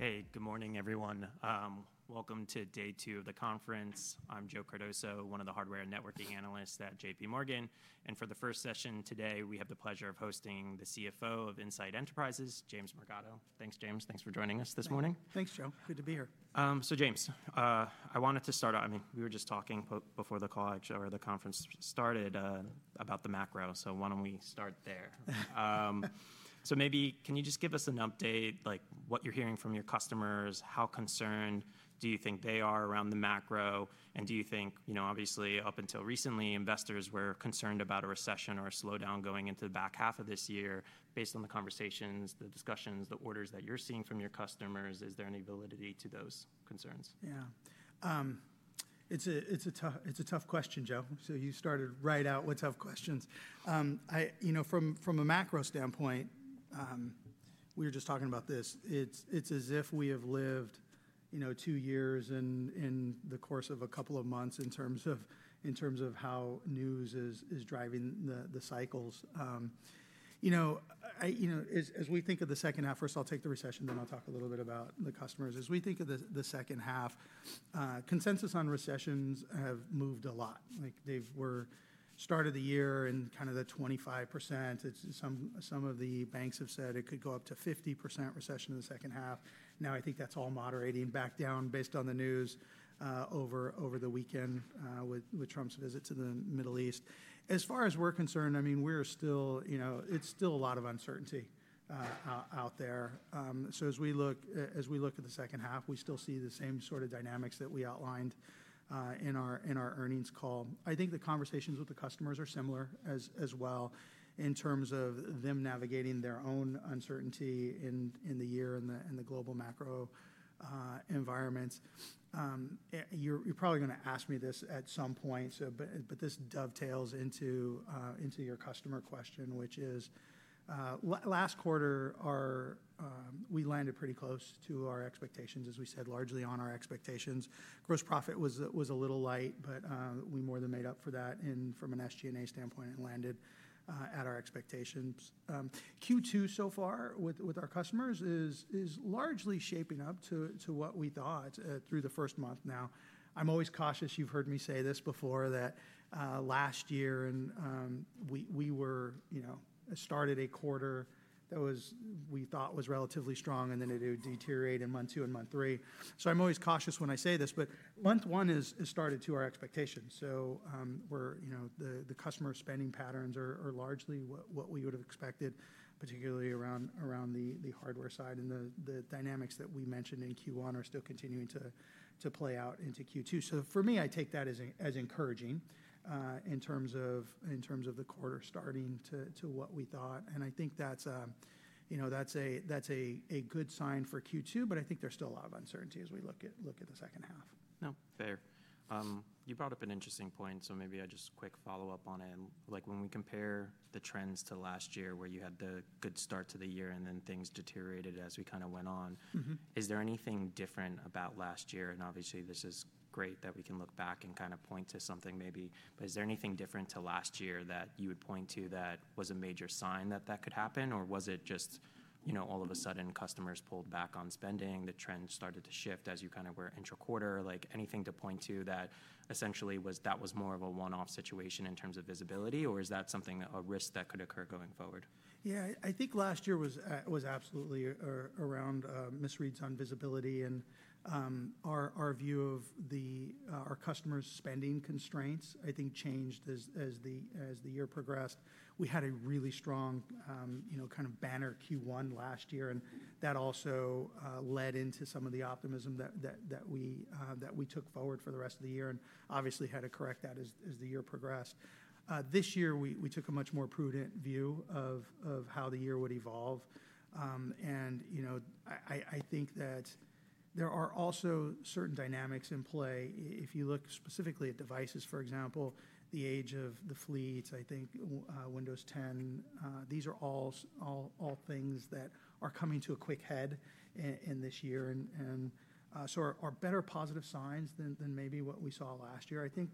Hey, good morning, everyone. Welcome to day two of the conference. I'm Joe Cardoso, one of the hardware and networking analysts at JPMorgan. For the first session today, we have the pleasure of hosting the CFO of Insight Enterprises, James Morgado. Thanks, James. Thanks for joining us this morning. Thanks, Joe. Good to be here. James, I wanted to start out, I mean, we were just talking before the call, actually, or the conference started, about the macro. Why do we not start there? Maybe, can you just give us an update, like what you're hearing from your customers, how concerned do you think they are around the macro? Do you think, you know, obviously, up until recently, investors were concerned about a recession or a slowdown going into the back half of this year, based on the conversations, the discussions, the orders that you're seeing from your customers? Is there any validity to those concerns? Yeah. It's a tough question, Joe. You started right out with tough questions. You know, from a macro standpoint, we were just talking about this, it's as if we have lived, you know, two years in the course of a couple of months in terms of how news is driving the cycles. You know, as we think of the second half, first I'll take the recession, then I'll talk a little bit about the customers. As we think of the second half, consensus on recessions have moved a lot. Like they were start of the year in kind of the 25%. Some of the banks have said it could go up to 50% recession in the second half. Now, I think that's all moderating back down based on the news over the weekend with Trump's visit to the Middle East. As far as we're concerned, I mean, we're still, you know, it's still a lot of uncertainty out there. As we look at the second half, we still see the same sort of dynamics that we outlined in our earnings call. I think the conversations with the customers are similar as well, in terms of them navigating their own uncertainty in the year and the global macro environment. You're probably going to ask me this at some point, but this dovetails into your customer question, which is, last quarter, we landed pretty close to our expectations, as we said, largely on our expectations. Gross profit was a little light, but we more than made up for that. From an SG&A standpoint, it landed at our expectations. Q2 so far with our customers is largely shaping up to what we thought through the first month now. I'm always cautious, you've heard me say this before, that last year we were, you know, started a quarter that we thought was relatively strong, and then it would deteriorate in month two and month three. I'm always cautious when I say this, but month one has started to our expectations. We're, you know, the customer spending patterns are largely what we would have expected, particularly around the hardware side. The dynamics that we mentioned in Q1 are still continuing to play out into Q2. For me, I take that as encouraging in terms of the quarter starting to what we thought. I think that's, you know, that's a good sign for Q2, but I think there's still a lot of uncertainty as we look at the second half. No, fair. You brought up an interesting point, so maybe I just quick follow up on it. Like when we compare the trends to last year, where you had the good start to the year and then things deteriorated as we kind of went on, is there anything different about last year? Obviously, this is great that we can look back and kind of point to something maybe, but is there anything different to last year that you would point to that was a major sign that that could happen? Or was it just, you know, all of a sudden customers pulled back on spending, the trend started to shift as you kind of were intra-quarter? Like anything to point to that essentially was more of a one-off situation in terms of visibility? Or is that something, a risk that could occur going forward? Yeah, I think last year was absolutely around misreads on visibility. Our view of our customers' spending constraints, I think, changed as the year progressed. We had a really strong, you know, kind of banner Q1 last year. That also led into some of the optimism that we took forward for the rest of the year. Obviously had to correct that as the year progressed. This year, we took a much more prudent view of how the year would evolve. You know, I think that there are also certain dynamics in play. If you look specifically at devices, for example, the age of the fleets, I think Windows 10, these are all things that are coming to a quick head in this year. These are better positive signs than maybe what we saw last year. I think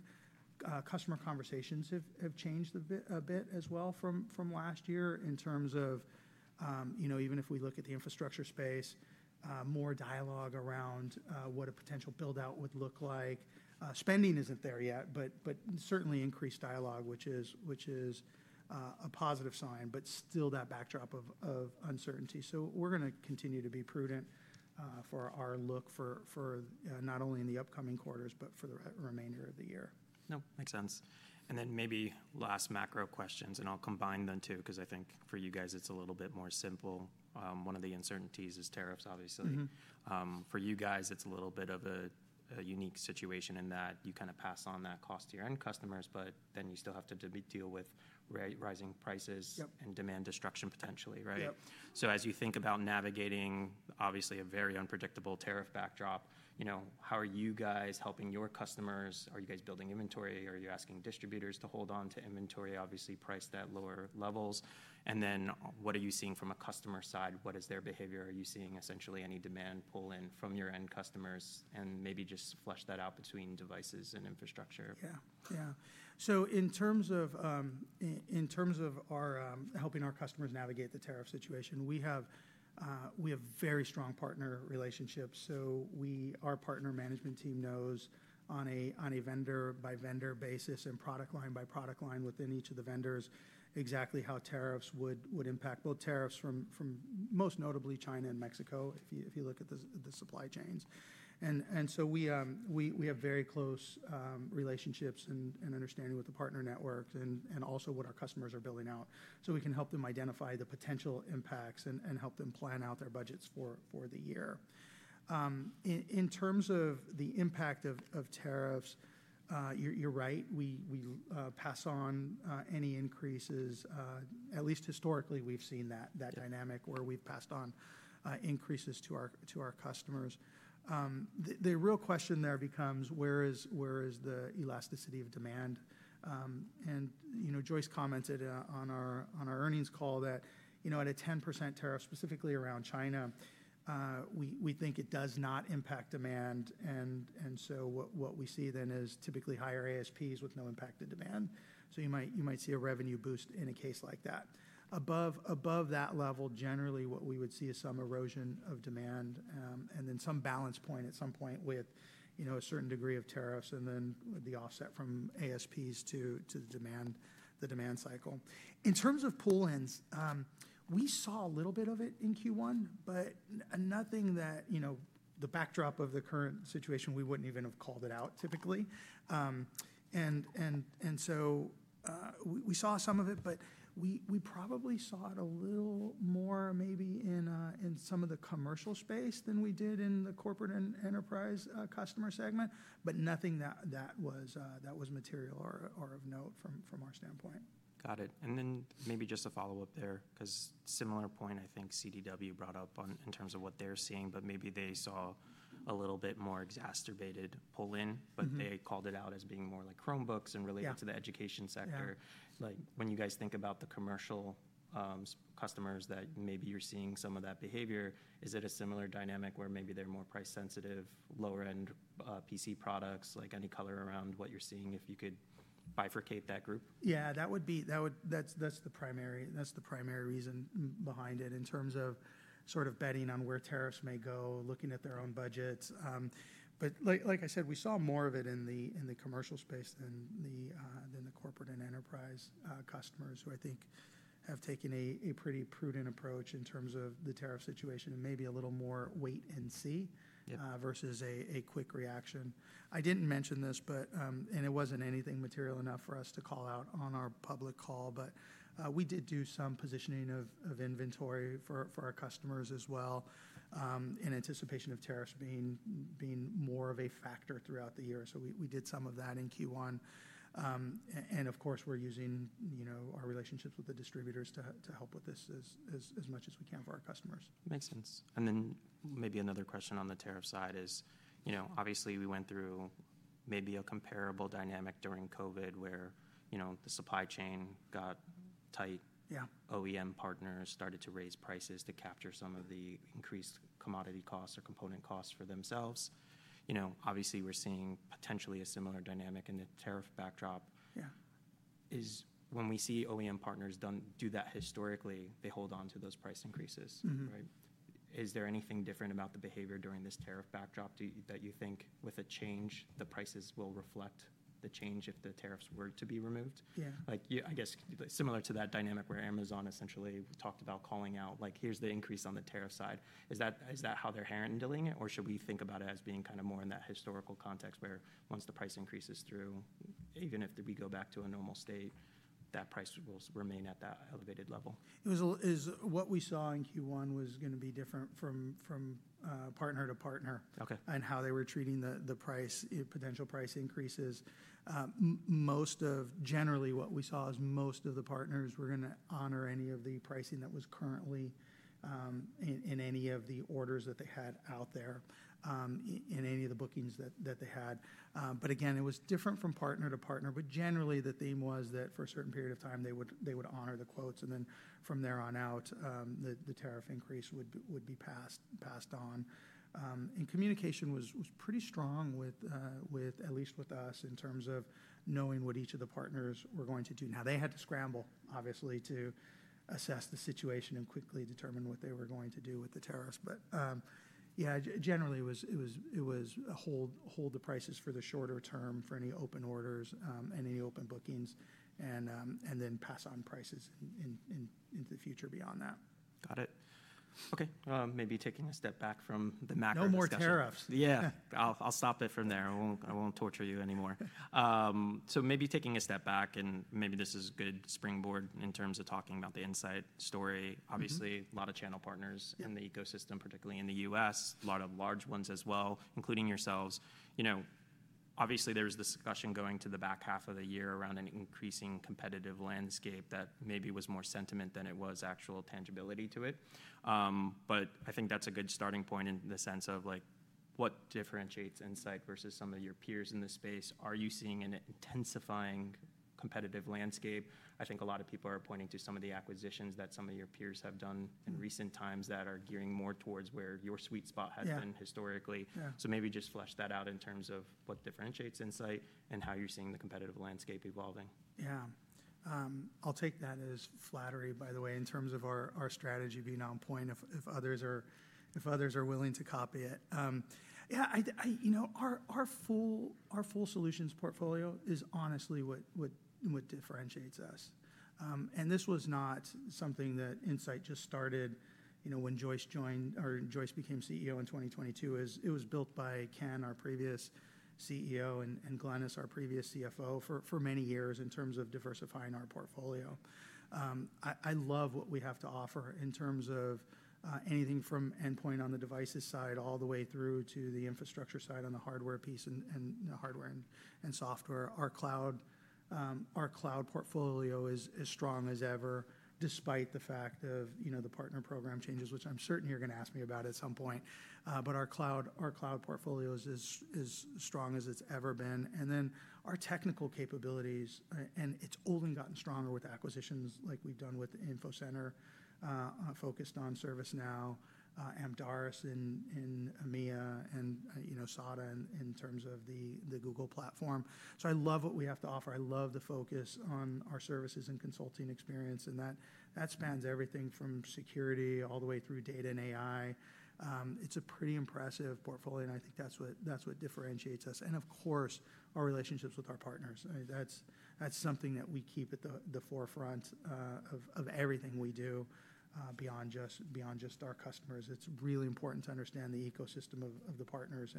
customer conversations have changed a bit as well from last year in terms of, you know, even if we look at the infrastructure space, more dialogue around what a potential buildout would look like. Spending is not there yet, but certainly increased dialogue, which is a positive sign, but still that backdrop of uncertainty. We are going to continue to be prudent for our look for not only in the upcoming quarters, but for the remainder of the year. No, makes sense. Maybe last macro questions, and I'll combine them too, because I think for you guys it's a little bit more simple. One of the uncertainties is tariffs, obviously. For you guys, it's a little bit of a unique situation in that you kind of pass on that cost to your end customers, but then you still have to deal with rising prices and demand destruction potentially, right? As you think about navigating, obviously, a very unpredictable tariff backdrop, you know, how are you guys helping your customers? Are you guys building inventory? Are you asking distributors to hold on to inventory, obviously priced at lower levels? What are you seeing from a customer side? What is their behavior? Are you seeing essentially any demand pull in from your end customers? Maybe just flush that out between devices and infrastructure. Yeah, yeah. In terms of helping our customers navigate the tariff situation, we have very strong partner relationships. Our partner management team knows on a vendor-by-vendor basis and product-line-by-product line within each of the vendors exactly how tariffs would impact, both tariffs from most notably China and Mexico, if you look at the supply chains. We have very close relationships and understanding with the partner networks and also what our customers are building out. We can help them identify the potential impacts and help them plan out their budgets for the year. In terms of the impact of tariffs, you're right, we pass on any increases. At least historically, we've seen that dynamic where we've passed on increases to our customers. The real question there becomes, where is the elasticity of demand? You know, Joyce commented on our earnings call that, you know, at a 10% tariff, specifically around China, we think it does not impact demand. What we see then is typically higher ASPs with no impact to demand. You might see a revenue boost in a case like that. Above that level, generally what we would see is some erosion of demand and then some balance point at some point with, you know, a certain degree of tariffs and then the offset from ASPs to the demand cycle. In terms of pull-ins, we saw a little bit of it in Q1, but nothing that, you know, the backdrop of the current situation, we would not even have called it out typically. We saw some of it, but we probably saw it a little more maybe in some of the commercial space than we did in the corporate and Enterprise Customer segment, but nothing that was material or of note from our standpoint. Got it. Maybe just a follow-up there, because similar point I think CDW brought up in terms of what they're seeing, but maybe they saw a little bit more exacerbated pull-in, but they called it out as being more like Chromebooks and related to the education sector. When you guys think about the commercial customers that maybe you're seeing some of that behavior, is it a similar dynamic where maybe they're more price-sensitive, lower-end PC products, like any color around what you're seeing if you could bifurcate that group? Yeah, that would be, that's the primary reason behind it in terms of sort of betting on where tariffs may go, looking at their own budgets. Like I said, we saw more of it in the commercial space than the corporate and enterprise customers who I think have taken a pretty prudent approach in terms of the tariff situation and maybe a little more wait and see versus a quick reaction. I did not mention this, but, and it was not anything material enough for us to call out on our public call, but we did do some positioning of inventory for our customers as well in anticipation of tariffs being more of a factor throughout the year. We did some of that in Q1. Of course, we are using, you know, our relationships with the distributors to help with this as much as we can for our customers. Makes sense. Maybe another question on the tariff side is, you know, obviously we went through maybe a comparable dynamic during COVID where, you know, the supply chain got tight. OEM partners started to raise prices to capture some of the increased commodity costs or component costs for themselves. You know, obviously we're seeing potentially a similar dynamic in the tariff backdrop. When we see OEM partners do that historically, they hold on to those price increases, right? Is there anything different about the behavior during this tariff backdrop that you think with a change, the prices will reflect the change if the tariffs were to be removed? Yeah. Like, I guess similar to that dynamic where Amazon essentially talked about calling out, like, here's the increase on the tariff side. Is that how they're handling it? Or should we think about it as being kind of more in that historical context where once the price increases through, even if we go back to a normal state, that price will remain at that elevated level? What we saw in Q1 was going to be different from partner to partner and how they were treating the potential price increases. Generally, what we saw is most of the partners were going to honor any of the pricing that was currently in any of the orders that they had out there in any of the bookings that they had. Again, it was different from partner to partner, but generally the theme was that for a certain period of time they would honor the quotes. From there on out, the tariff increase would be passed on. Communication was pretty strong, at least with us, in terms of knowing what each of the partners were going to do. They had to scramble, obviously, to assess the situation and quickly determine what they were going to do with the tariffs. Yeah, generally it was hold the prices for the shorter term for any open orders and any open bookings and then pass on prices into the future beyond that. Got it. Okay, maybe taking a step back from the macro stuff. No more tariffs. Yeah, I'll stop it from there. I won't torture you anymore. Maybe taking a step back, and maybe this is a good springboard in terms of talking about the Insight story. Obviously, a lot of channel partners in the ecosystem, particularly in the U.S., a lot of large ones as well, including yourselves. You know, obviously there was discussion going to the back half of the year around an increasing competitive landscape that maybe was more sentiment than it was actual tangibility to it. I think that's a good starting point in the sense of like what differentiates Insight versus some of your peers in this space. Are you seeing an intensifying competitive landscape? I think a lot of people are pointing to some of the acquisitions that some of your peers have done in recent times that are gearing more towards where your sweet spot has been historically. Maybe just flush that out in terms of what differentiates Insight and how you're seeing the competitive landscape evolving. Yeah, I'll take that as flattery, by the way, in terms of our strategy being on point if others are willing to copy it. Yeah, you know, our full solutions portfolio is honestly what differentiates us. And this was not something that Insight just started, you know, when Joyce joined or Joyce became CEO in 2022. It was built by Ken, our previous CEO, and Glynis, our previous CFO, for many years in terms of diversifying our portfolio. I love what we have to offer in terms of anything from endpoint on the devices side all the way through to the infrastructure side on the hardware piece and hardware and software. Our cloud portfolio is strong as ever despite the fact of, you know, the partner program changes, which I'm certain you're going to ask me about at some point. Our cloud portfolio is as strong as it's ever been. Then our technical capabilities, and it's only gotten stronger with acquisitions like we've done with Infocenter focused on ServiceNow, Amdaris in EMEA, and, you know, SADA in terms of the Google platform. I love what we have to offer. I love the focus on our services and consulting experience. That spans everything from security all the way through data and AI. It's a pretty impressive portfolio. I think that's what differentiates us. Of course, our relationships with our partners. That's something that we keep at the forefront of everything we do beyond just our customers. It's really important to understand the ecosystem of the partners.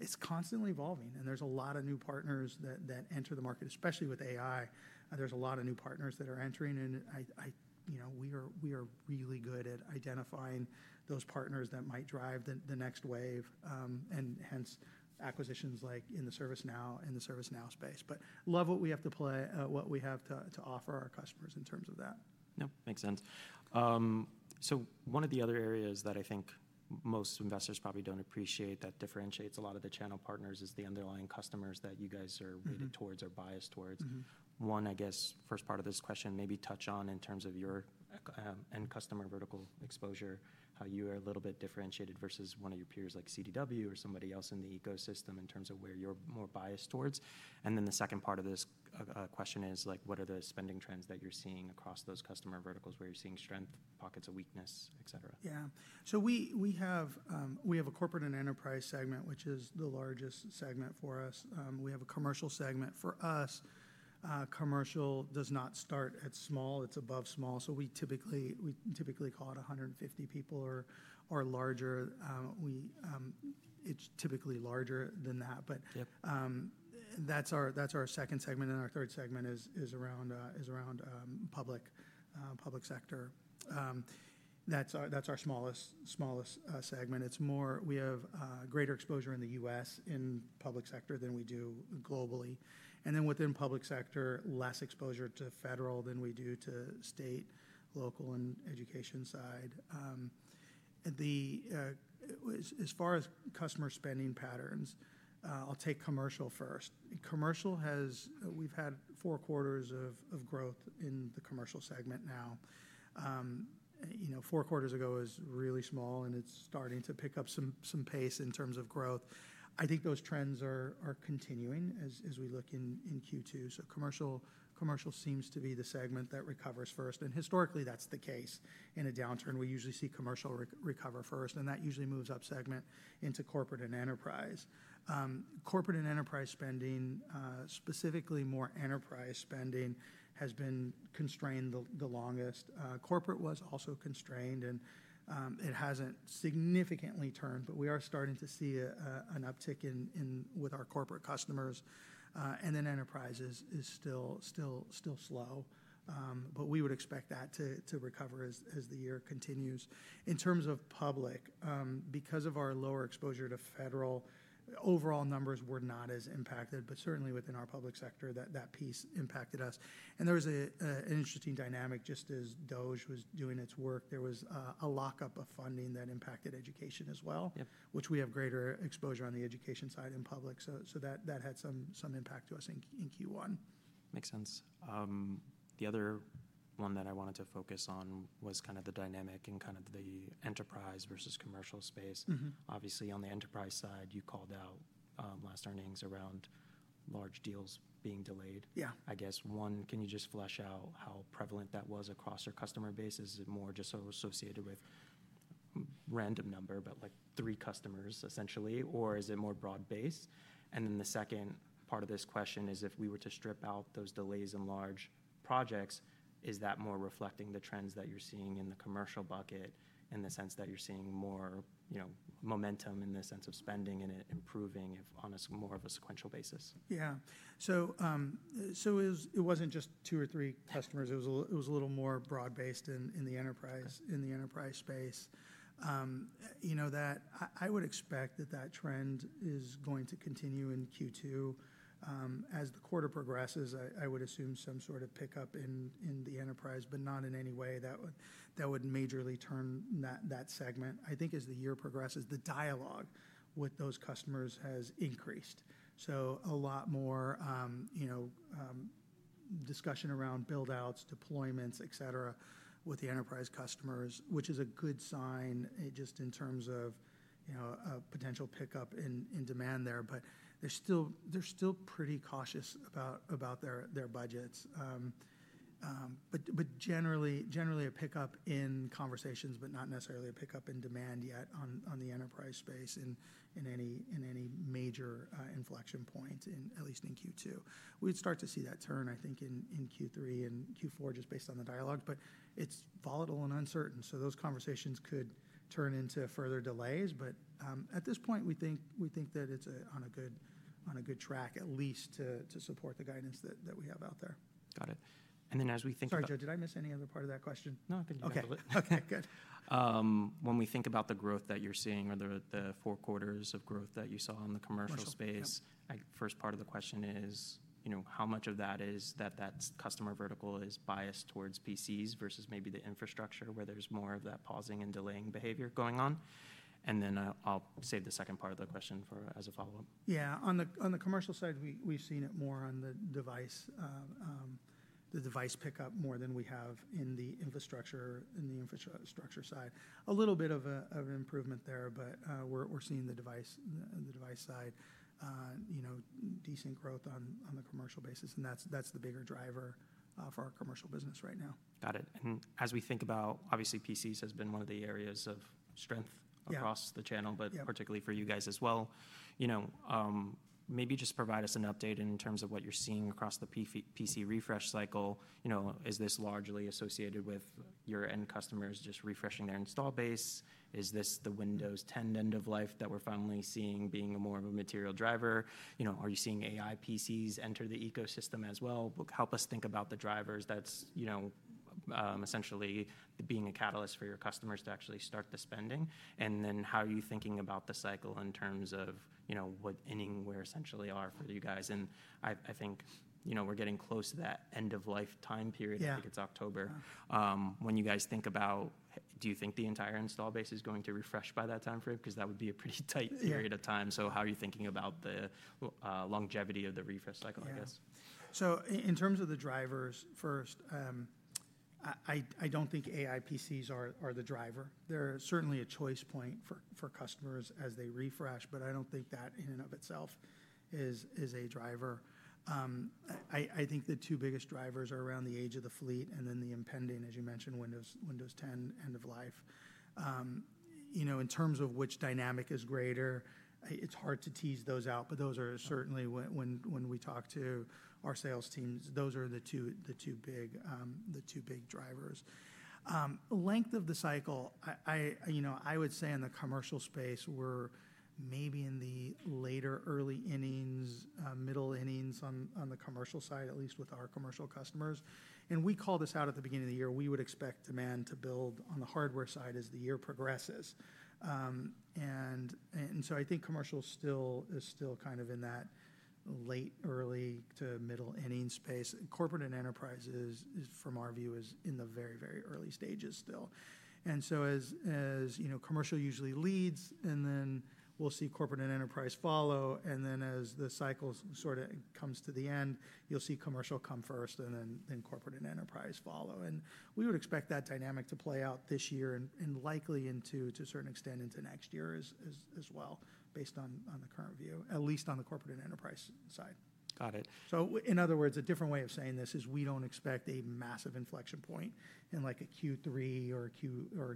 It's constantly evolving. There's a lot of new partners that enter the market, especially with AI. There's a lot of new partners that are entering. I, you know, we are really good at identifying those partners that might drive the next wave. Hence acquisitions like in the ServiceNow space. Love what we have to play, what we have to offer our customers in terms of that. No, makes sense. One of the other areas that I think most investors probably do not appreciate that differentiates a lot of the channel partners is the underlying customers that you guys are really towards or biased towards. One, I guess first part of this question, maybe touch on in terms of your end customer vertical exposure, how you are a little bit differentiated versus one of your peers like CDW or somebody else in the ecosystem in terms of where you are more biased towards. The second part of this question is what are the spending trends that you are seeing across those customer verticals, where you are seeing strength, pockets of weakness, etc. Yeah, so we have a corporate and enterprise segment, which is the largest segment for us. We have a commercial segment. For us, commercial does not start at small. It's above small. So we typically call it 150 people or larger. It's typically larger than that. But that's our second segment. Our third segment is around public sector. That's our smallest segment. We have greater exposure in the U.S. in public sector than we do globally. Within public sector, less exposure to federal than we do to state, local, and education side. As far as customer spending patterns, I'll take commercial first. Commercial has, we've had four quarters of growth in the commercial segment now. You know, four quarters ago was really small and it's starting to pick up some pace in terms of growth. I think those trends are continuing as we look in Q2. Commercial seems to be the segment that recovers first. Historically, that's the case. In a downturn, we usually see commercial recover first. That usually moves up segment into corporate and enterprise. Corporate and enterprise spending, specifically more enterprise spending, has been constrained the longest. Corporate was also constrained and it hasn't significantly turned. We are starting to see an uptick with our corporate customers. Enterprise is still slow. We would expect that to recover as the year continues. In terms of public, because of our lower exposure to federal, overall numbers were not as impacted. Certainly within our public sector, that piece impacted us. There was an interesting dynamic just as DoE was doing its work. There was a lockup of funding that impacted education as well, which we have greater exposure on the education side in public. That had some impact to us in Q1. Makes sense. The other one that I wanted to focus on was kind of the dynamic and kind of the enterprise versus commercial space. Obviously, on the enterprise side, you called out last earnings around large deals being delayed. Yeah, I guess one, can you just flesh out how prevalent that was across your customer base? Is it more just associated with, random number, but like three customers essentially, or is it more broad based? The second part of this question is if we were to strip out those delays in large projects, is that more reflecting the trends that you're seeing in the commercial bucket in the sense that you're seeing more, you know, momentum in the sense of spending and it improving on more of a sequential basis? Yeah, so it wasn't just two or three customers. It was a little more broad based in the enterprise space. You know, I would expect that that trend is going to continue in Q2. As the quarter progresses, I would assume some sort of pickup in the enterprise, but not in any way that would majorly turn that segment. I think as the year progresses, the dialogue with those customers has increased. So a lot more, you know, discussion around buildouts, deployments, etc. with the enterprise customers, which is a good sign just in terms of, you know, a potential pickup in demand there. They're still pretty cautious about their budgets. Generally a pickup in conversations, but not necessarily a pickup in demand yet on the enterprise space in any major inflection point, at least in Q2. We'd start to see that turn, I think, in Q3 and Q4 just based on the dialogue. It is volatile and uncertain. Those conversations could turn into further delays. At this point, we think that it is on a good track, at least to support the guidance that we have out there. Got it. And then as we think about. Sorry, Judge, did I miss any other part of that question? No, I think you covered it. Okay, good. When we think about the growth that you're seeing or the four quarters of growth that you saw in the commercial space, first part of the question is, you know, how much of that is that customer vertical is biased towards PCs versus maybe the infrastructure where there's more of that pausing and delaying behavior going on? Then I'll save the second part of the question as a follow-up. Yeah, on the commercial side, we've seen it more on the device, the device pickup more than we have in the infrastructure side. A little bit of an improvement there, but we're seeing the device side, you know, decent growth on the commercial basis. And that's the bigger driver for our commercial business right now. Got it. As we think about, obviously PCs has been one of the areas of strength across the channel, but particularly for you guys as well. You know, maybe just provide us an update in terms of what you're seeing across the PC refresh cycle. You know, is this largely associated with your end customers just refreshing their install base? Is this the Windows 10 end of life that we're finally seeing being more of a material driver? You know, are you seeing AI PCs enter the ecosystem as well? Help us think about the drivers that's, you know, essentially being a catalyst for your customers to actually start the spending. How are you thinking about the cycle in terms of, you know, what ending where essentially are for you guys? I think, you know, we're getting close to that end of life time period. I think it's October when you guys think about, do you think the entire install base is going to refresh by that time frame? Because that would be a pretty tight period of time. How are you thinking about the longevity of the refresh cycle, I guess? In terms of the drivers first, I do not think AI PCs are the driver. They are certainly a choice point for customers as they refresh. I do not think that in and of itself is a driver. I think the two biggest drivers are around the age of the fleet and then the impending, as you mentioned, Windows 10 end of life. You know, in terms of which dynamic is greater, it is hard to tease those out. Those are certainly, when we talk to our sales teams, the two big drivers. Length of the cycle, you know, I would say in the commercial space, we are maybe in the later, early innings, middle innings on the commercial side, at least with our commercial customers. We call this out at the beginning of the year. We would expect demand to build on the hardware side as the year progresses. I think commercial still is kind of in that late, early to middle inning space. Corporate and enterprise, from our view, is in the very, very early stages still. As you know, commercial usually leads, and then we'll see corporate and enterprise follow. As the cycle sort of comes to the end, you'll see commercial come first and then corporate and enterprise follow. We would expect that dynamic to play out this year and likely to a certain extent into next year as well, based on the current view, at least on the corporate and enterprise side. Got it. In other words, a different way of saying this is we do not expect a massive inflection point in like a Q3 or a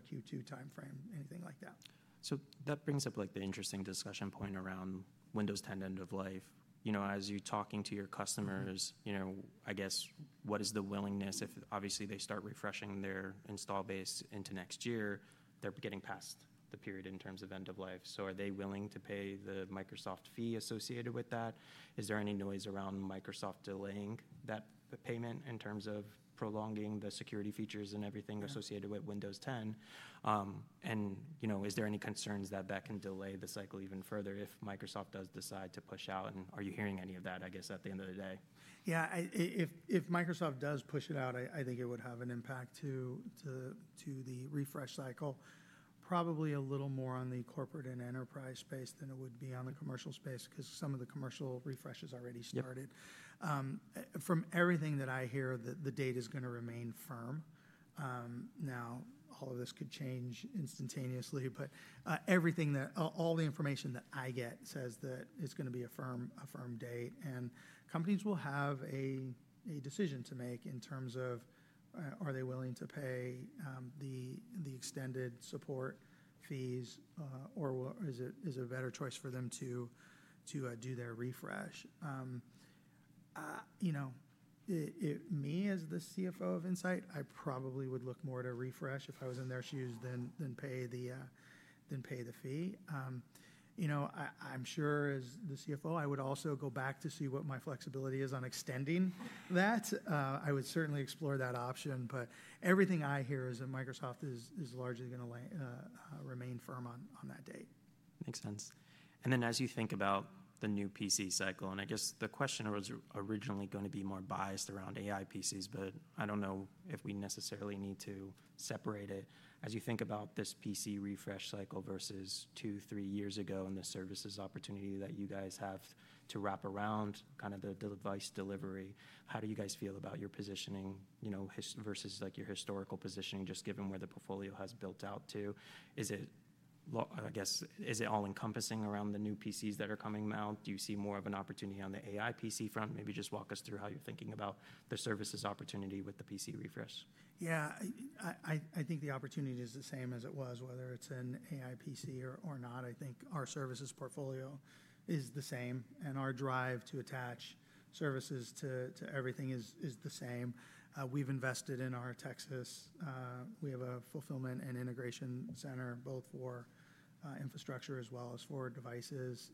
Q2 time frame, anything like that. That brings up like the interesting discussion point around Windows 10 end of life. You know, as you're talking to your customers, I guess what is the willingness if obviously they start refreshing their install base into next year, they're getting past the period in terms of end of life. Are they willing to pay the Microsoft fee associated with that? Is there any noise around Microsoft delaying that payment in terms of prolonging the security features and everything associated with Windows 10? You know, is there any concerns that that can delay the cycle even further if Microsoft does decide to push out? Are you hearing any of that, I guess, at the end of the day? Yeah, if Microsoft does push it out, I think it would have an impact to the refresh cycle. Probably a little more on the corporate and enterprise space than it would be on the commercial space because some of the commercial refresh has already started. From everything that I hear, the date is going to remain firm. Now, all of this could change instantaneously. Everything that all the information that I get says that it's going to be a firm date. Companies will have a decision to make in terms of are they willing to pay the extended support fees or is it a better choice for them to do their refresh? You know, me as the CFO of Insight, I probably would look more at a refresh if I was in their shoes than pay the fee. You know, I'm sure as the CFO, I would also go back to see what my flexibility is on extending that. I would certainly explore that option. Everything I hear is that Microsoft is largely going to remain firm on that date. Makes sense. As you think about the new PC cycle, and I guess the question was originally going to be more biased around AI PCs, but I do not know if we necessarily need to separate it. As you think about this PC refresh cycle versus two, three years ago and the services opportunity that you guys have to wrap around kind of the device delivery, how do you guys feel about your positioning, you know, versus like your historical positioning just given where the portfolio has built out to? Is it, I guess, is it all encompassing around the new PCs that are coming now? Do you see more of an opportunity on the AI PC front? Maybe just walk us through how you are thinking about the services opportunity with the PC refresh. Yeah, I think the opportunity is the same as it was, whether it's an AI PC or not. I think our services portfolio is the same. And our drive to attach services to everything is the same. We've invested in our Texas. We have a fulfillment and integration center both for infrastructure as well as for devices.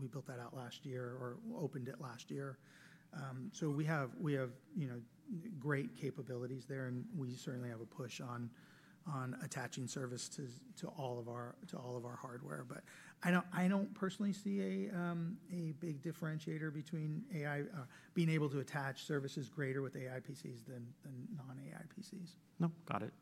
We built that out last year or opened it last year. We have, you know, great capabilities there. We certainly have a push on attaching services to all of our hardware. I don't personally see a big differentiator between AI being able to attach services greater with AI PCs than non-AI PCs. No, got it.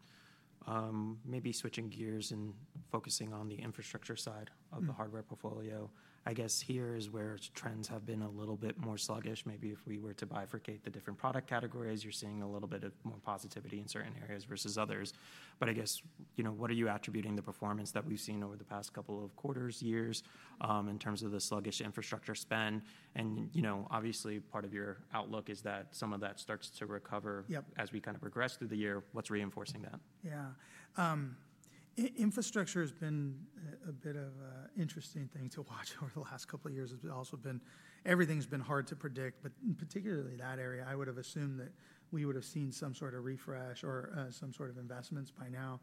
Maybe switching gears and focusing on the infrastructure side of the hardware portfolio. I guess here is where trends have been a little bit more sluggish. Maybe if we were to bifurcate the different product categories, you're seeing a little bit of more positivity in certain areas versus others. I guess, you know, what are you attributing the performance that we've seen over the past couple of quarters, years in terms of the sluggish infrastructure spend? You know, obviously part of your outlook is that some of that starts to recover as we kind of progress through the year. What's reinforcing that? Yeah, infrastructure has been a bit of an interesting thing to watch over the last couple of years. It's also been, everything's been hard to predict. Particularly that area, I would have assumed that we would have seen some sort of refresh or some sort of investments by now.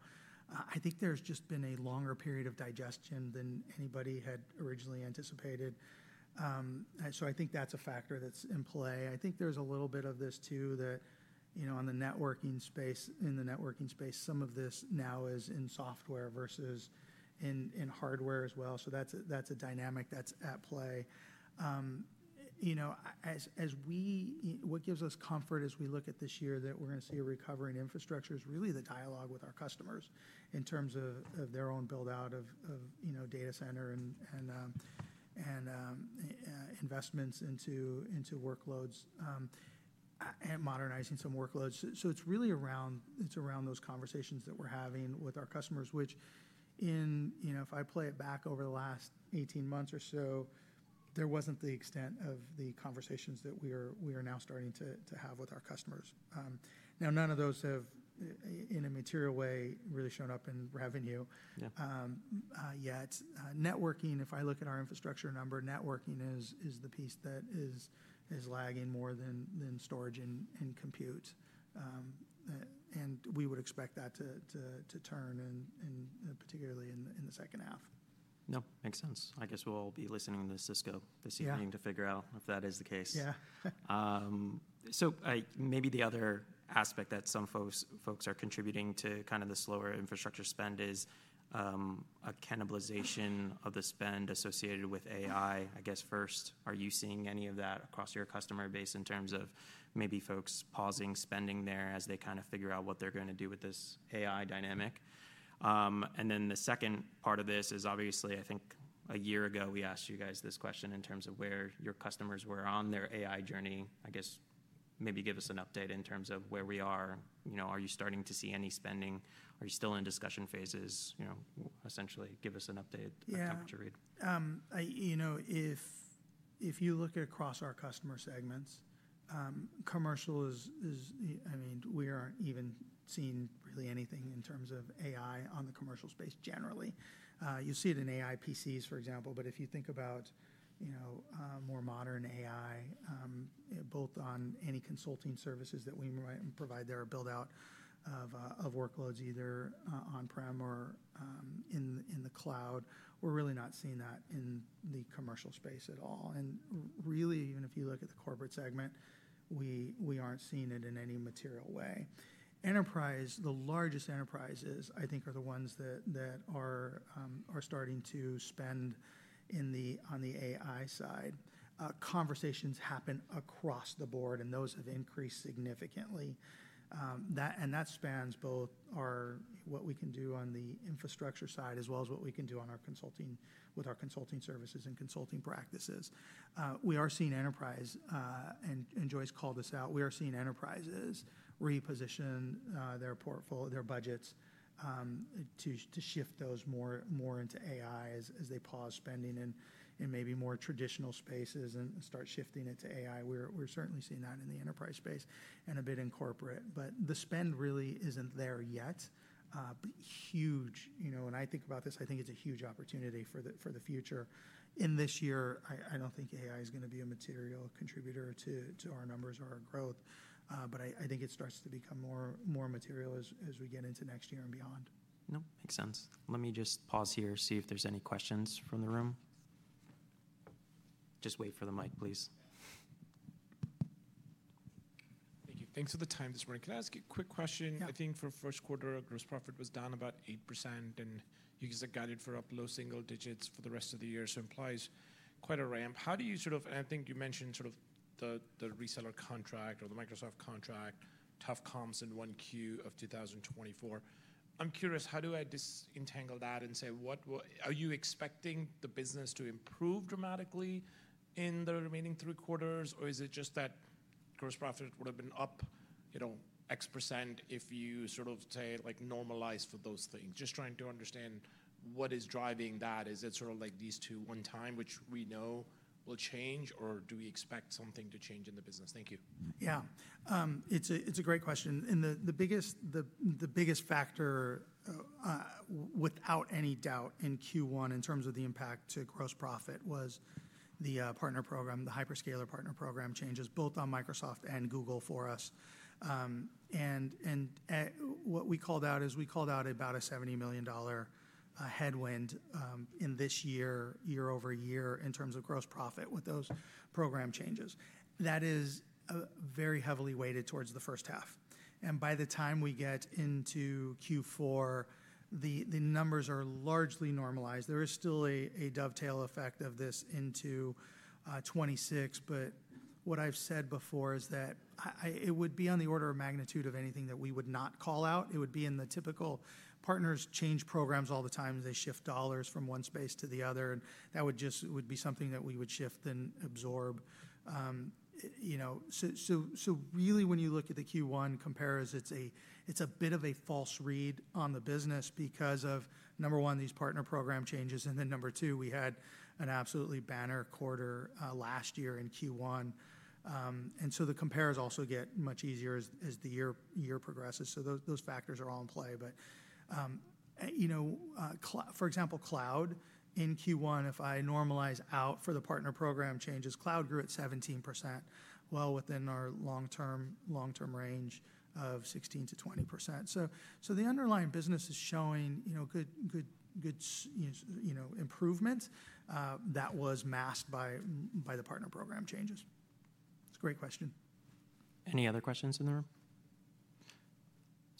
I think there's just been a longer period of digestion than anybody had originally anticipated. I think that's a factor that's in play. I think there's a little bit of this too that, you know, in the networking space, some of this now is in software versus in hardware as well. That's a dynamic that's at play. You know, as we, what gives us comfort as we look at this year that we're going to see a recovery in infrastructure is really the dialogue with our customers in terms of their own buildout of, you know, data center and investments into workloads and modernizing some workloads. It is really around, it is around those conversations that we're having with our customers, which in, you know, if I play it back over the last 18 months or so, there was not the extent of the conversations that we are now starting to have with our customers. Now, none of those have in a material way really shown up in revenue yet. Networking, if I look at our infrastructure number, networking is the piece that is lagging more than storage and compute. We would expect that to turn in particularly in the second half. No, makes sense. I guess we'll all be listening to Cisco this evening to figure out if that is the case. Yeah. Maybe the other aspect that some folks are contributing to kind of the slower infrastructure spend is a cannibalization of the spend associated with AI. I guess first, are you seeing any of that across your customer base in terms of maybe folks pausing spending there as they kind of figure out what they're going to do with this AI dynamic? The second part of this is obviously, I think a year ago we asked you guys this question in terms of where your customers were on their AI journey. I guess maybe give us an update in terms of where we are. You know, are you starting to see any spending? Are you still in discussion phases? You know, essentially give us an update, a temperature read. Yeah, you know, if you look across our customer segments, commercial is, I mean, we aren't even seeing really anything in terms of AI on the commercial space generally. You'll see it in AI PCs, for example. If you think about, you know, more modern AI, both on any consulting services that we might provide, there are buildout of workloads either on-prem or in the cloud. We're really not seeing that in the commercial space at all. Really, even if you look at the corporate segment, we aren't seeing it in any material way. Enterprise, the largest enterprises, I think are the ones that are starting to spend on the AI side. Conversations happen across the board and those have increased significantly. That spans both our what we can do on the infrastructure side as well as what we can do with our consulting services and consulting practices. We are seeing enterprise, and Joyce called this out, we are seeing enterprises reposition their budgets to shift those more into AI as they pause spending in maybe more traditional spaces and start shifting into AI. We are certainly seeing that in the enterprise space and a bit in corporate. The spend really is not there yet. Huge, you know, when I think about this, I think it is a huge opportunity for the future. In this year, I do not think AI is going to be a material contributor to our numbers or our growth. I think it starts to become more material as we get into next year and beyond. No, makes sense. Let me just pause here and see if there's any questions from the room. Just wait for the mic, please. Thank you. Thanks for the time this morning. Can I ask a quick question? I think for first quarter, gross profit was down about 8% and you guys are guided for up low single digits for the rest of the year. It implies quite a ramp. How do you sort of, and I think you mentioned sort of the reseller contract or the Microsoft contract, tough comms in Q1 of 2024. I'm curious, how do I disentangle that and say, are you expecting the business to improve dramatically in the remaining three quarters? Or is it just that gross profit would have been up, you know, X percent if you sort of say like normalize for those things? Just trying to understand what is driving that. Is it sort of like these two one time, which we know will change? Do we expect something to change in the business? Thank you. Yeah, it's a great question. The biggest factor without any doubt in Q1 in terms of the impact to gross profit was the partner program, the Hyperscaler partner program changes both on Microsoft and Google for us. What we called out is we called out about a $70 million headwind in this year, year-over-year in terms of gross profit with those program changes. That is very heavily weighted towards the first half. By the time we get into Q4, the numbers are largely normalized. There is still a dovetail effect of this into 2026. What I've said before is that it would be on the order of magnitude of anything that we would not call out. It would be in the typical partners change programs all the time as they shift dollars from one space to the other. That would just be something that we would shift and absorb. You know, really when you look at the Q1 comparis, it's a bit of a false read on the business because of, number one, these partner program changes. Number two, we had an absolutely banner quarter last year in Q1. The comparis also get much easier as the year progresses. Those factors are all in play. You know, for example, cloud in Q1, if I normalize out for the partner program changes, cloud grew at 17%, well within our long-term range of 16%-20%. The underlying business is showing, you know, good improvement that was masked by the partner program changes. It's a great question. Any other questions in the room?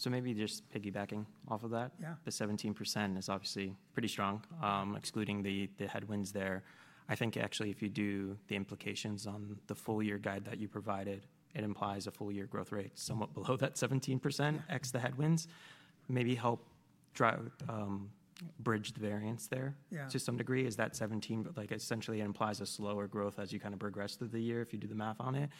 Maybe just piggybacking off of that. Yeah. The 17% is obviously pretty strong, excluding the headwinds there. I think actually if you do the implications on the full year guide that you provided, it implies a full year growth rate somewhat below that 17% ex the headwinds. Maybe help bridge the variance there to some degree. Is that 17, like essentially it implies a slower growth as you kind of progress through the year if you do the math on it.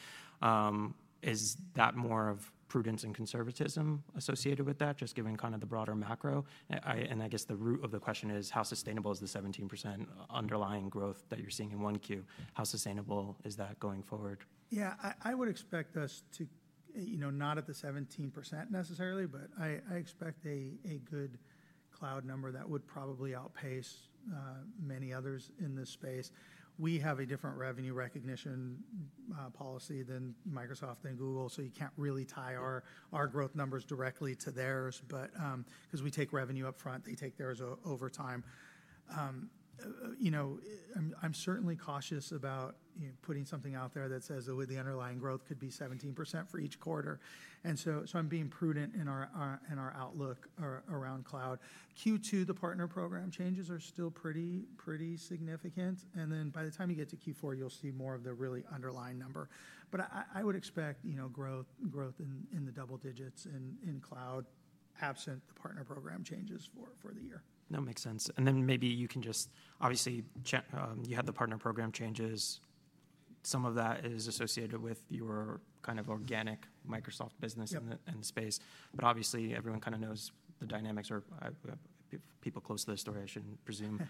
Is that more of prudence and conservatism associated with that, just given kind of the broader macro? I guess the root of the question is how sustainable is the 17% underlying growth that you're seeing in one Q? How sustainable is that going forward? Yeah, I would expect us to, you know, not at the 17% necessarily, but I expect a good cloud number that would probably outpace many others in this space. We have a different revenue recognition policy than Microsoft and Google. You cannot really tie our growth numbers directly to theirs. Because we take revenue upfront, they take theirs over time. You know, I am certainly cautious about putting something out there that says the underlying growth could be 17% for each quarter. I am being prudent in our outlook around cloud. Q2, the partner program changes are still pretty significant. By the time you get to Q4, you will see more of the really underlying number. I would expect, you know, growth in the double digits in cloud absent the partner program changes for the year. No, makes sense. Maybe you can just, obviously you had the partner program changes. Some of that is associated with your kind of organic Microsoft business in the space. Obviously everyone kind of knows the dynamics, or people close to the story, I shouldn't presume,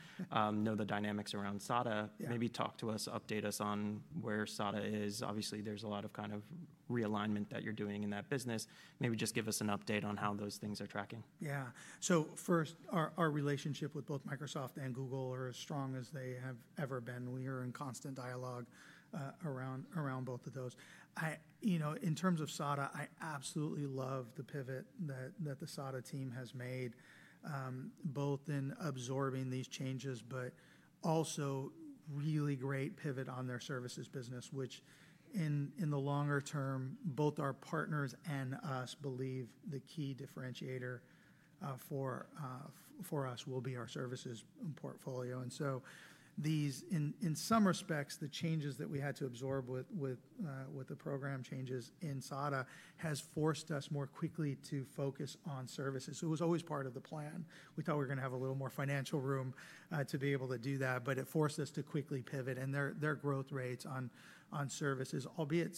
know the dynamics around SADA. Maybe talk to us, update us on where SADA is. Obviously, there's a lot of kind of realignment that you're doing in that business. Maybe just give us an update on how those things are tracking. Yeah, so first, our relationship with both Microsoft and Google are as strong as they have ever been. We are in constant dialogue around both of those. You know, in terms of SADA, I absolutely love the pivot that the SADA team has made, both in absorbing these changes, but also really great pivot on their services business, which in the longer term, both our partners and us believe the key differentiator for us will be our services portfolio. In some respects, the changes that we had to absorb with the program changes in SADA has forced us more quickly to focus on services. It was always part of the plan. We thought we were going to have a little more financial room to be able to do that. It forced us to quickly pivot. Their growth rates on services, albeit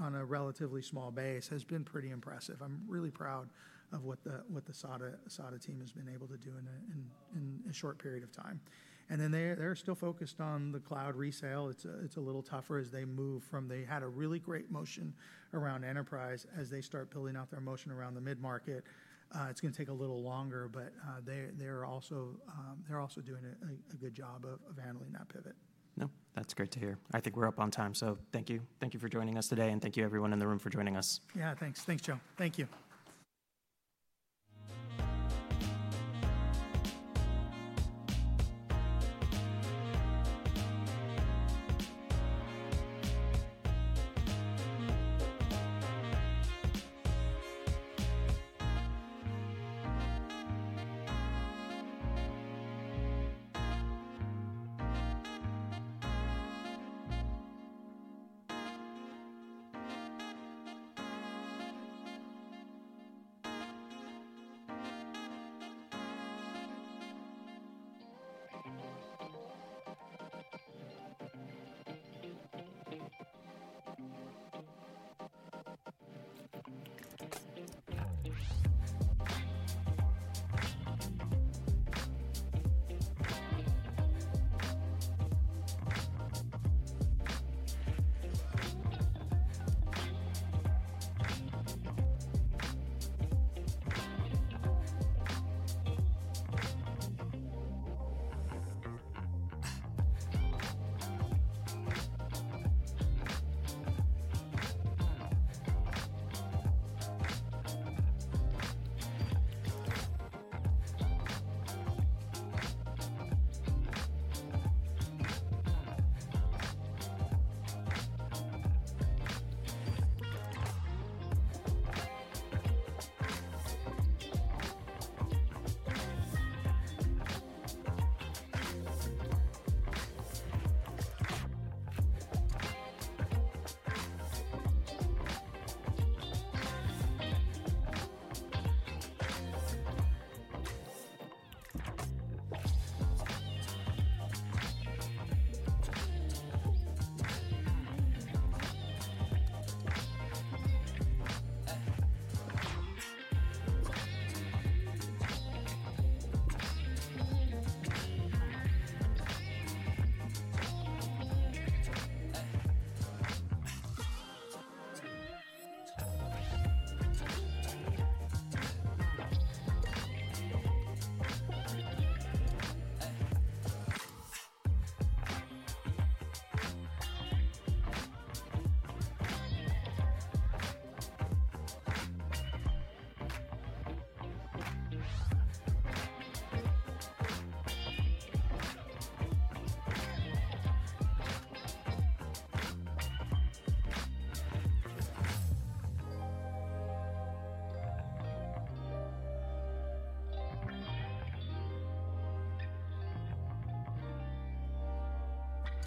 on a relatively small base, has been pretty impressive. I'm really proud of what the SADA team has been able to do in a short period of time. They're still focused on the cloud resale. It's a little tougher as they move from they had a really great motion around enterprise as they start building out their motion around the mid-market. It's going to take a little longer, but they're also doing a good job of handling that pivot. No, that's great to hear. I think we're up on time. Thank you. Thank you for joining us today. Thank you everyone in the room for joining us. Yeah, thanks. Thanks, Joe. Thank you.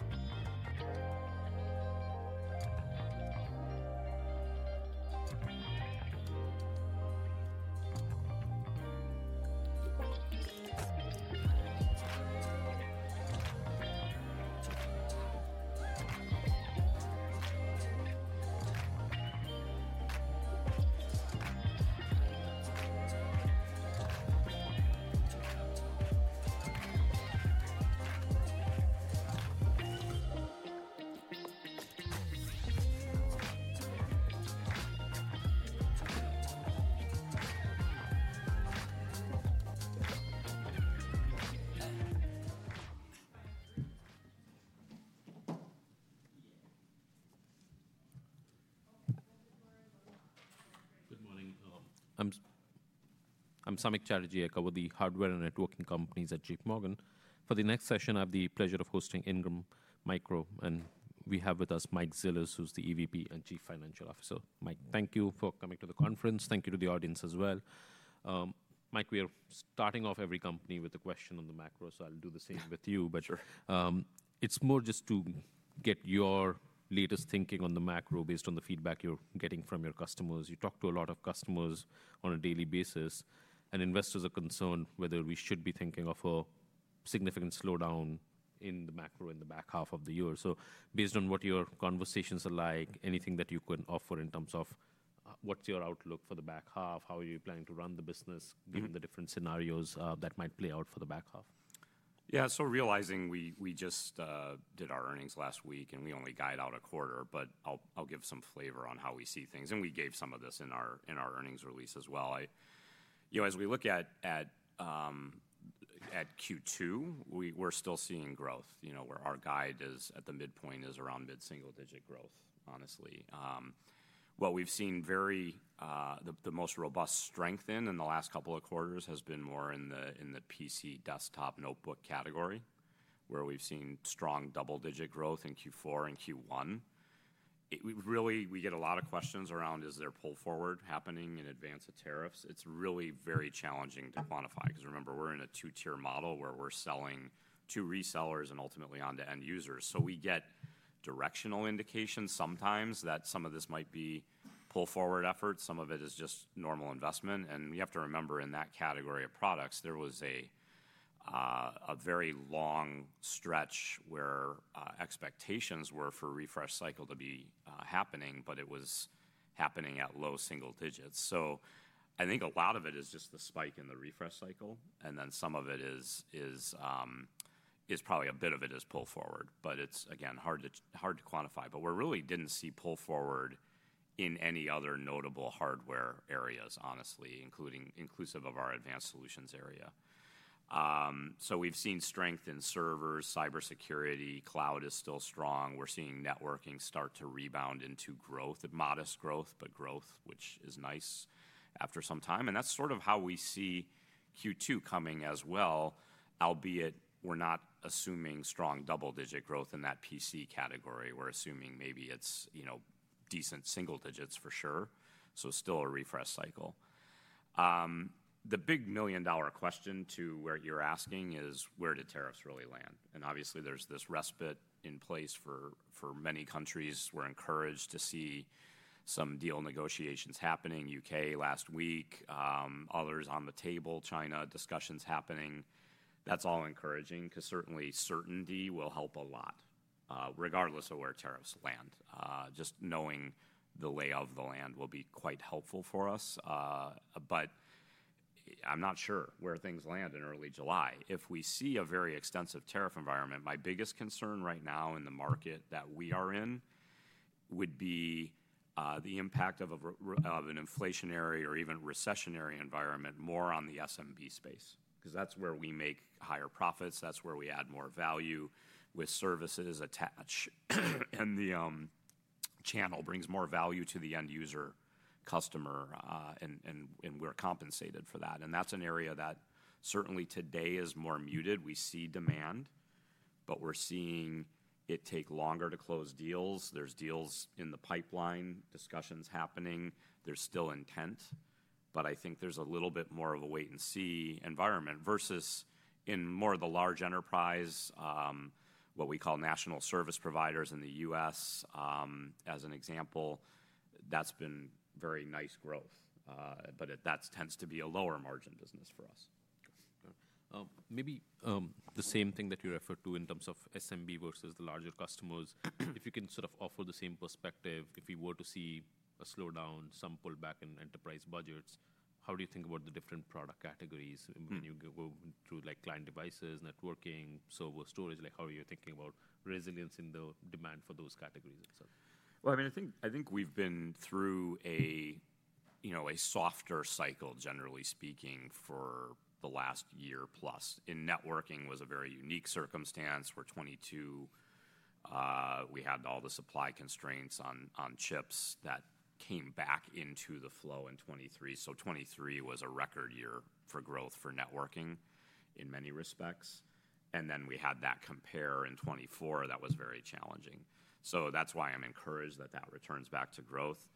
Good morning. I'm Samik Chatterjee, a couple of the hardware and networking companies at JPMorgan. For the next session, I have the pleasure of hosting Ingram Micro. And we have with us Mike Zeller, who's the EVP and Chief Financial Officer. Mike, thank you for coming to the conference. Thank you to the audience as well. Mike, we are starting off every company with a question on the macro. I will do the same with you. It is more just to get your latest thinking on the macro based on the feedback you're getting from your customers. You talk to a lot of customers on a daily basis. Investors are concerned whether we should be thinking of a significant slowdown in the macro in the back half of the year. Based on what your conversations are like, anything that you can offer in terms of what's your outlook for the back half? How are you planning to run the business given the different scenarios that might play out for the back half? Yeah, so realizing we just did our earnings last week and we only guide out a quarter. I'll give some flavor on how we see things. We gave some of this in our earnings release as well. You know, as we look at Q2, we're still seeing growth. You know, where our guide is at the midpoint is around mid single digit growth, honestly. What we've seen very, the most robust strength in in the last couple of quarters has been more in the PC desktop notebook category, where we've seen strong double digit growth in Q4 and Q1. Really, we get a lot of questions around, is there pull forward happening in advance of tariffs? It's really very challenging to quantify because remember, we're in a two tier model where we're selling to resellers and ultimately on to end users. We get directional indications sometimes that some of this might be pull forward efforts. Some of it is just normal investment. We have to remember in that category of products, there was a very long stretch where expectations were for refresh cycle to be happening, but it was happening at low single digits. I think a lot of it is just the spike in the refresh cycle. Some of it is probably a bit of it is pull forward. It is, again, hard to quantify. We really did not see pull forward in any other notable hardware areas, honestly, including inclusive of our advanced solutions area. We have seen strength in servers, cybersecurity, cloud is still strong. We are seeing networking start to rebound into growth, modest growth, but growth, which is nice after some time. That is sort of how we see Q2 coming as well, albeit we're not assuming strong double-digit growth in that PC category. We're assuming maybe it's, you know, decent single digits for sure. Still a refresh cycle. The big million dollar question to where you're asking is where did tariffs really land? Obviously, there's this respite in place for many countries. We're encouraged to see some deal negotiations happening. U.K. last week, others on the table, China discussions happening. That is all encouraging because certainly certainty will help a lot regardless of where tariffs land. Just knowing the lay of the land will be quite helpful for us. I'm not sure where things land in early July. If we see a very extensive tariff environment, my biggest concern right now in the market that we are in would be the impact of an inflationary or even recessionary environment more on the SMB space because that's where we make higher profits. That's where we add more value with services attached. The channel brings more value to the end user, customer, and we're compensated for that. That's an area that certainly today is more muted. We see demand, but we're seeing it take longer to close deals. There's deals in the pipeline, discussions happening. There's still intent. I think there's a little bit more of a wait and see environment versus in more of the large enterprise, what we call national service providers in the U.S., as an example, that's been very nice growth. That tends to be a lower margin business for us. Maybe the same thing that you referred to in terms of SMB versus the larger customers, if you can sort of offer the same perspective, if we were to see a slowdown, some pullback in enterprise budgets, how do you think about the different product categories when you go through like client devices, networking, server, storage? Like how are you thinking about resilience in the demand for those categories? I mean, I think we've been through a, you know, a softer cycle, generally speaking, for the last year plus. In networking was a very unique circumstance where 2022 we had all the supply constraints on chips that came back into the flow in 2023. 2023 was a record year for growth for networking in many respects. Then we had that compare in 2024 that was very challenging. That's why I'm encouraged that that returns back to growth.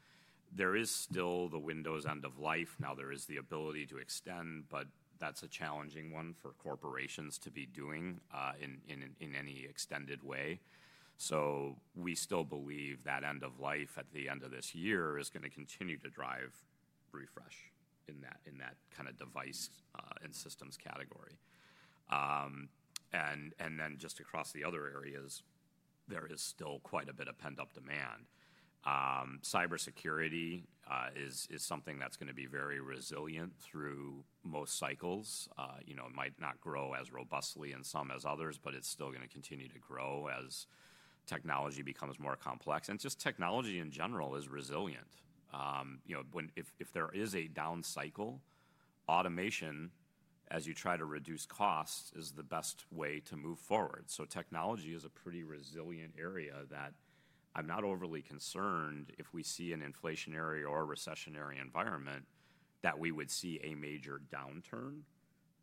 There is still the Windows end of life. Now there is the ability to extend, but that's a challenging one for corporations to be doing in any extended way. We still believe that end of life at the end of this year is going to continue to drive refresh in that kind of device and systems category. Across the other areas, there is still quite a bit of pent up demand. Cybersecurity is something that's going to be very resilient through most cycles. You know, it might not grow as robustly in some as others, but it's still going to continue to grow as technology becomes more complex. Technology in general is resilient. You know, if there is a down cycle, automation, as you try to reduce costs, is the best way to move forward. Technology is a pretty resilient area that I'm not overly concerned if we see an inflationary or a recessionary environment that we would see a major downturn,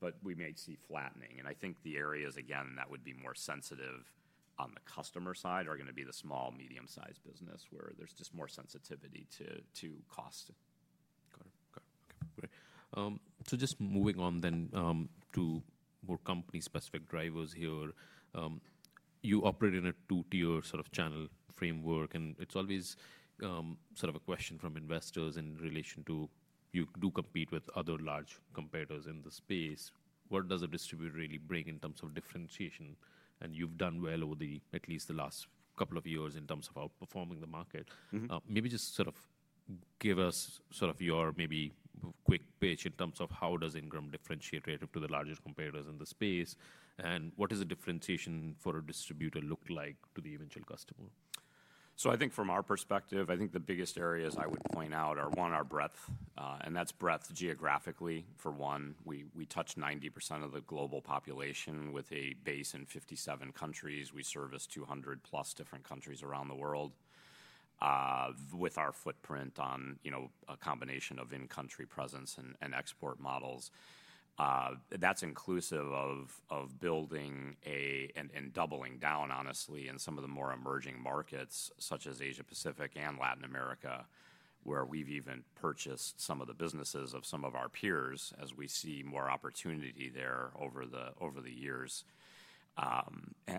but we may see flattening. I think the areas, again, that would be more sensitive on the customer side are going to be the small, medium sized business where there's just more sensitivity to cost. Got it. Okay. Just moving on then to more company specific drivers here. You operate in a two tier sort of channel framework. It is always sort of a question from investors in relation to you do compete with other large competitors in the space. What does a distributor really bring in terms of differentiation? You have done well over at least the last couple of years in terms of outperforming the market. Maybe just give us your maybe quick pitch in terms of how does Ingram differentiate relative to the largest competitors in the space? What does the differentiation for a distributor look like to the eventual customer? I think from our perspective, I think the biggest areas I would point out are, one, our breadth. And that's breadth geographically. For one, we touch 90% of the global population with a base in 57 countries. We service 200+ different countries around the world with our footprint on, you know, a combination of in-country presence and export models. That's inclusive of building and doubling down, honestly, in some of the more emerging markets such as Asia Pacific and Latin America, where we've even purchased some of the businesses of some of our peers as we see more opportunity there over the years. The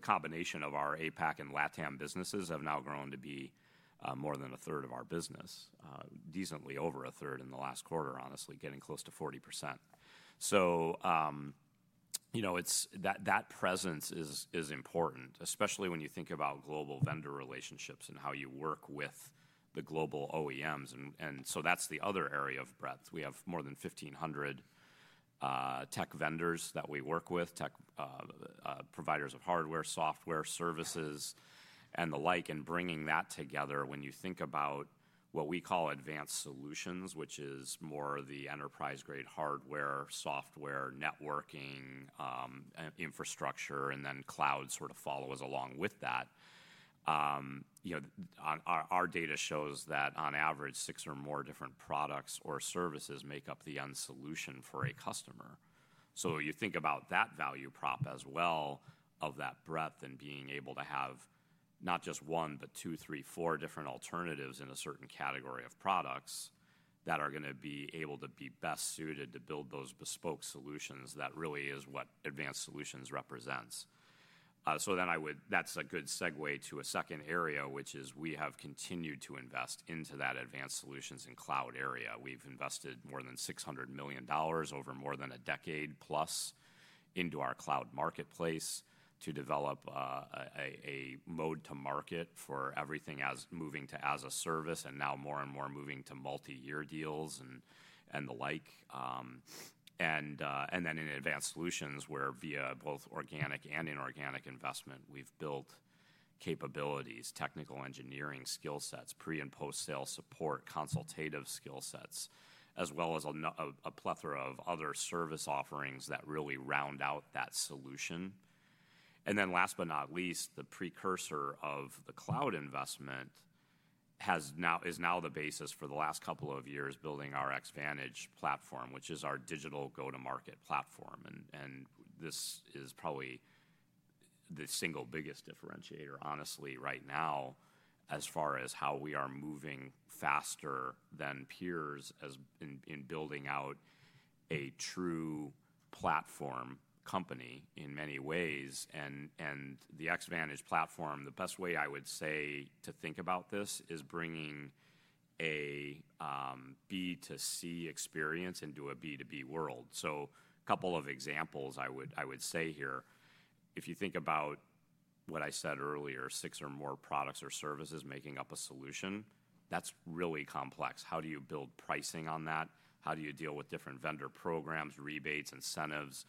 combination of our APAC and LATAM businesses have now grown to be more than a third of our business, decently over a third in the last quarter, honestly, getting close to 40%. You know, that presence is important, especially when you think about global vendor relationships and how you work with the global OEMs. That is the other area of breadth. We have more than 1,500 tech vendors that we work with, tech providers of hardware, software, services, and the like. Bringing that together, when you think about what we call advanced solutions, which is more the enterprise grade hardware, software, networking, infrastructure, and then cloud sort of follows along with that. You know, our data shows that on average, six or more different products or services make up the end solution for a customer. You think about that value prop as well of that breadth and being able to have not just one, but two, three, four different alternatives in a certain category of products that are going to be able to be best suited to build those bespoke solutions. That really is what advanced solutions represents. I would, that's a good segue to a second area, which is we have continued to invest into that advanced solutions and cloud area. We've invested more than $600 million over more than a decade plus into our cloud marketplace to develop a mode to market for everything as moving to as a service and now more and more moving to multi-year deals and the like. In advanced solutions where via both organic and inorganic investment, we've built capabilities, technical engineering skill sets, pre and post sale support, consultative skill sets, as well as a plethora of other service offerings that really round out that solution. Last but not least, the precursor of the cloud investment is now the basis for the last couple of years building our Xvantage platform, which is our digital go-to-market platform. This is probably the single biggest differentiator, honestly, right now as far as how we are moving faster than peers in building out a true platform company in many ways. The Xvantage platform, the best way I would say to think about this is bringing a B2C experience into a B2B world. A couple of examples I would say here, if you think about what I said earlier, six or more products or services making up a solution, that's really complex. How do you build pricing on that? How do you deal with different vendor programs, rebates, incentives?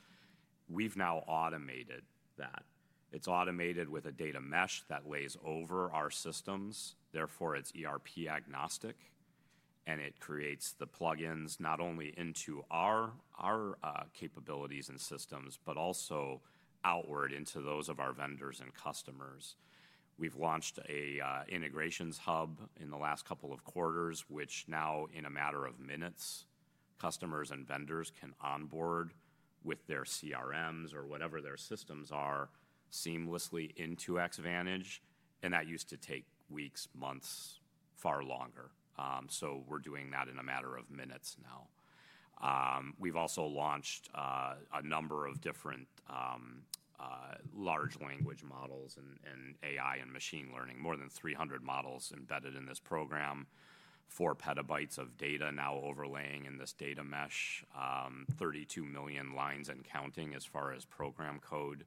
We've now automated that. It's automated with a data mesh that lays over our systems. Therefore, it's ERP agnostic. It creates the plugins not only into our capabilities and systems, but also outward into those of our vendors and customers. We've launched an integrations hub in the last couple of quarters, which now in a matter of minutes, customers and vendors can onboard with their CRMs or whatever their systems are seamlessly into Xvantage. That used to take weeks, months, far longer. We're doing that in a matter of minutes now. We've also launched a number of different large language models and AI and machine learning, more than 300 models embedded in this program, four petabytes of data now overlaying in this data mesh, 32 million lines and counting as far as program code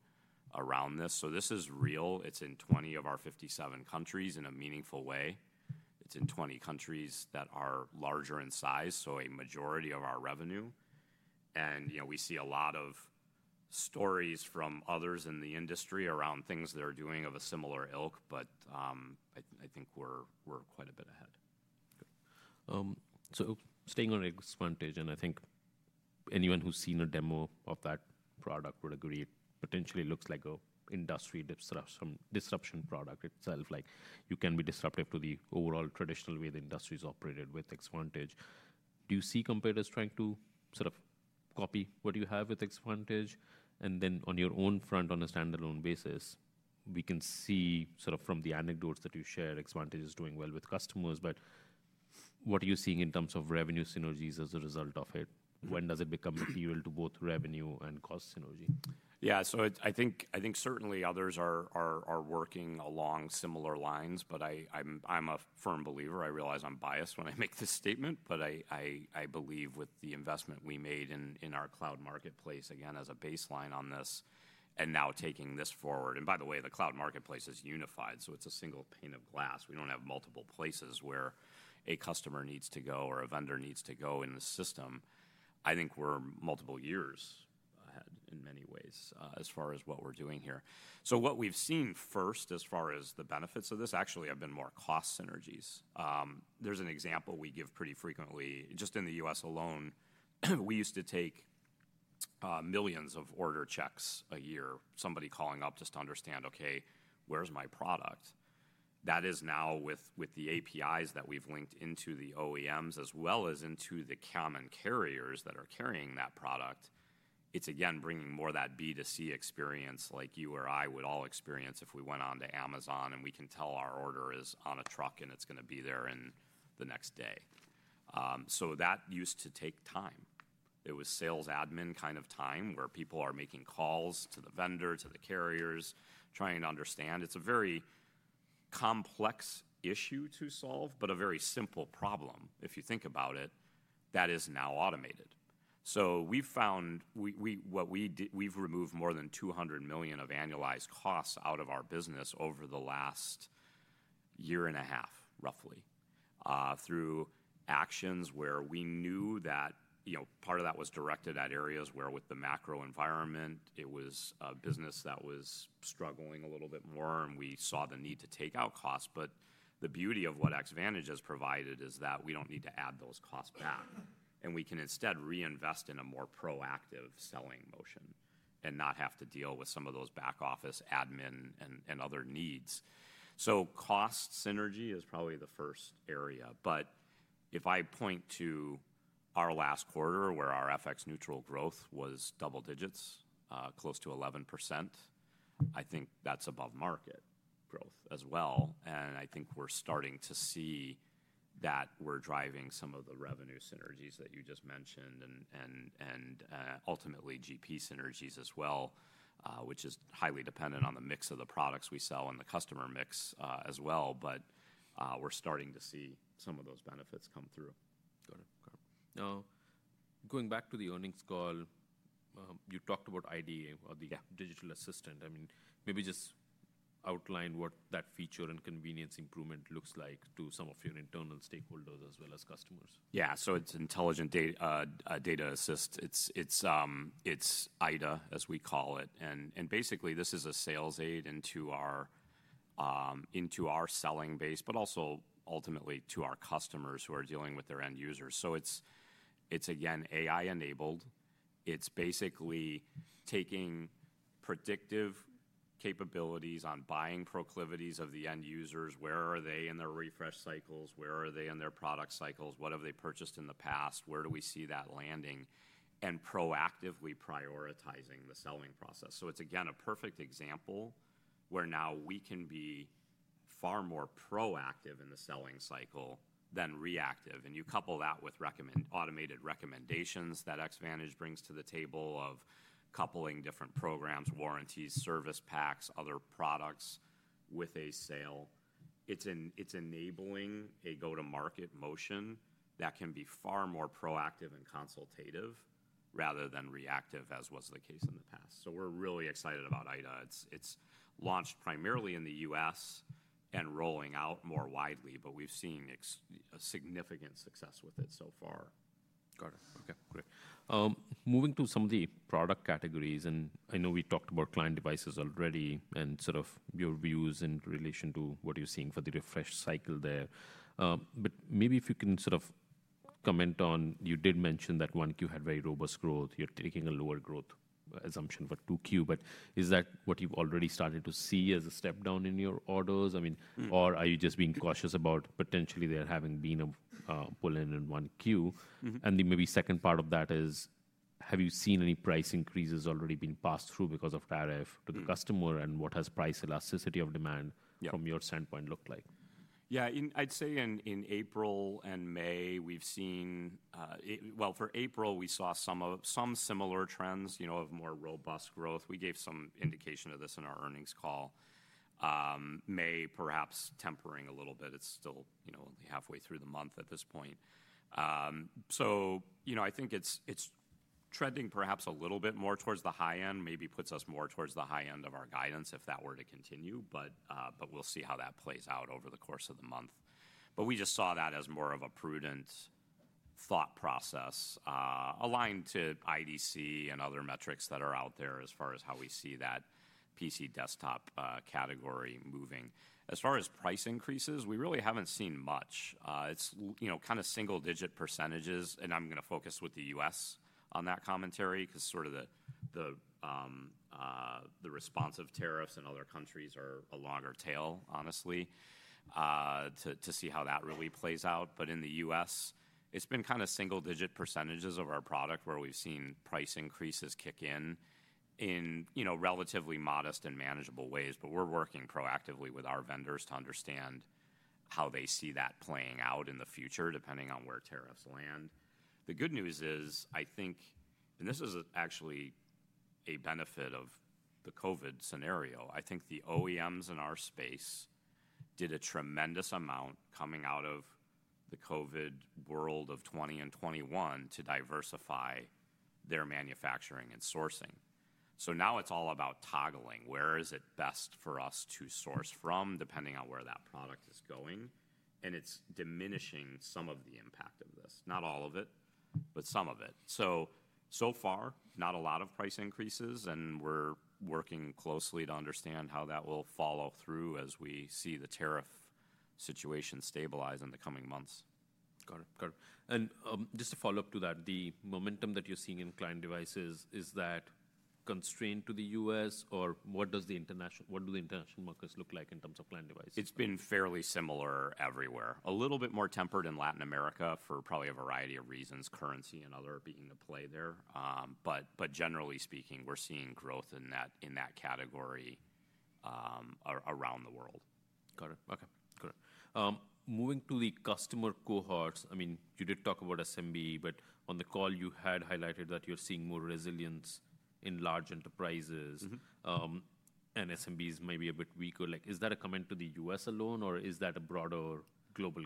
around this. This is real. It's in 20 of our 57 countries in a meaningful way. It's in 20 countries that are larger in size, so a majority of our revenue. You know, we see a lot of stories from others in the industry around things they're doing of a similar ilk, but I think we're quite a bit ahead. Staying on Xvantage, and I think anyone who's seen a demo of that product would agree it potentially looks like an industry disruption product itself. Like you can be disruptive to the overall traditional way the industry has operated with Xvantage. Do you see competitors trying to sort of copy what you have with Xvantage? On your own front, on a standalone basis, we can see sort of from the anecdotes that you shared, Xvantage is doing well with customers. What are you seeing in terms of revenue synergies as a result of it? When does it become material to both revenue and cost synergy? Yeah, so I think certainly others are working along similar lines, but I'm a firm believer. I realize I'm biased when I make this statement, but I believe with the investment we made in our cloud marketplace, again, as a baseline on this and now taking this forward. By the way, the cloud marketplace is unified, so it's a single pane of glass. We don't have multiple places where a customer needs to go or a vendor needs to go in the system. I think we're multiple years ahead in many ways as far as what we're doing here. What we've seen first as far as the benefits of this actually have been more cost synergies. There's an example we give pretty frequently. Just in the US alone, we used to take millions of order checks a year, somebody calling up just to understand, okay, where's my product? That is now with the APIs that we've linked into the OEMs as well as into the common carriers that are carrying that product. It's again bringing more that B2C experience like you or I would all experience if we went on to Amazon and we can tell our order is on a truck and it's going to be there in the next day. That used to take time. It was sales admin kind of time where people are making calls to the vendor, to the carriers, trying to understand. It's a very complex issue to solve, but a very simple problem. If you think about it, that is now automated. We have found that we have removed more than $200 million of annualized costs out of our business over the last year and a half, roughly, through actions where we knew that, you know, part of that was directed at areas where with the macro environment, it was a business that was struggling a little bit more and we saw the need to take out costs. The beauty of what Xvantage has provided is that we do not need to add those costs back. We can instead reinvest in a more proactive selling motion and not have to deal with some of those back office admin and other needs. Cost synergy is probably the first area. If I point to our last quarter where our FX neutral growth was double digits, close to 11%, I think that is above market growth as well. I think we're starting to see that we're driving some of the revenue synergies that you just mentioned and ultimately GP synergies as well, which is highly dependent on the mix of the products we sell and the customer mix as well. We're starting to see some of those benefits come through. Got it. Now, going back to the earnings call, you talked about IDA or the digital assistant. I mean, maybe just outline what that feature and convenience improvement looks like to some of your internal stakeholders as well as customers. Yeah, so it's intelligent data assist. It's IDA as we call it. And basically this is a sales aid into our selling base, but also ultimately to our customers who are dealing with their end users. It's again AI enabled. It's basically taking predictive capabilities on buying proclivities of the end users. Where are they in their refresh cycles? Where are they in their product cycles? What have they purchased in the past? Where do we see that landing? And proactively prioritizing the selling process. It's again a perfect example where now we can be far more proactive in the selling cycle than reactive. You couple that with automated recommendations that Xvantage brings to the table of coupling different programs, warranties, service packs, other products with a sale. It's enabling a go-to-market motion that can be far more proactive and consultative rather than reactive as was the case in the past. We are really excited about IDA. It's launched primarily in the U.S, and rolling out more widely, but we have seen significant success with it so far. Got it. Okay. Great. Moving to some of the product categories, and I know we talked about client devices already and sort of your views in relation to what you're seeing for the refresh cycle there. Maybe if you can sort of comment on, you did mention that 1Q had very robust growth. You're taking a lower growth assumption for 2Q, but is that what you've already started to see as a step down in your orders? I mean, are you just being cautious about potentially there having been a pull-in in 1Q? The maybe second part of that is, have you seen any price increases already being passed through because of tariff to the customer? What has price elasticity of demand from your standpoint looked like? Yeah, I'd say in April and May, we've seen, well, for April, we saw some similar trends, you know, of more robust growth. We gave some indication of this in our earnings call. May perhaps tempering a little bit. It's still, you know, only halfway through the month at this point. You know, I think it's trending perhaps a little bit more towards the high end, maybe puts us more towards the high end of our guidance if that were to continue, but we'll see how that plays out over the course of the month. We just saw that as more of a prudent thought process aligned to IDC and other metrics that are out there as far as how we see that PC desktop category moving. As far as price increases, we really haven't seen much. It's, you know, kind of single digit %s, and I'm going to focus with the US on that commentary because sort of the responsive tariffs in other countries are a longer tail, honestly, to see how that really plays out. In the U.S., it's been kind of single digit percentages of our product where we've seen price increases kick in in, you know, relatively modest and manageable ways. We're working proactively with our vendors to understand how they see that playing out in the future depending on where tariffs land. The good news is, I think, and this is actually a benefit of the COVID scenario. I think the OEMs in our space did a tremendous amount coming out of the COVID world of 2020 and 2021 to diversify their manufacturing and sourcing. Now it's all about toggling. Where is it best for us to source from depending on where that product is going? It is diminishing some of the impact of this. Not all of it, but some of it. So far, not a lot of price increases, and we're working closely to understand how that will follow through as we see the tariff situation stabilize in the coming months. Got it. Got it. Just to follow up to that, the momentum that you're seeing in client devices, is that constrained to the US or what do the international markets look like in terms of client devices? It's been fairly similar everywhere. A little bit more tempered in Latin America for probably a variety of reasons, currency and other being the play there. Generally speaking, we're seeing growth in that category around the world. Got it. Okay. Got it. Moving to the customer cohorts, I mean, you did talk about SMB, but on the call, you had highlighted that you're seeing more resilience in large enterprises and SMBs may be a bit weaker. Like, is that a comment to the US alone or is that a broader global?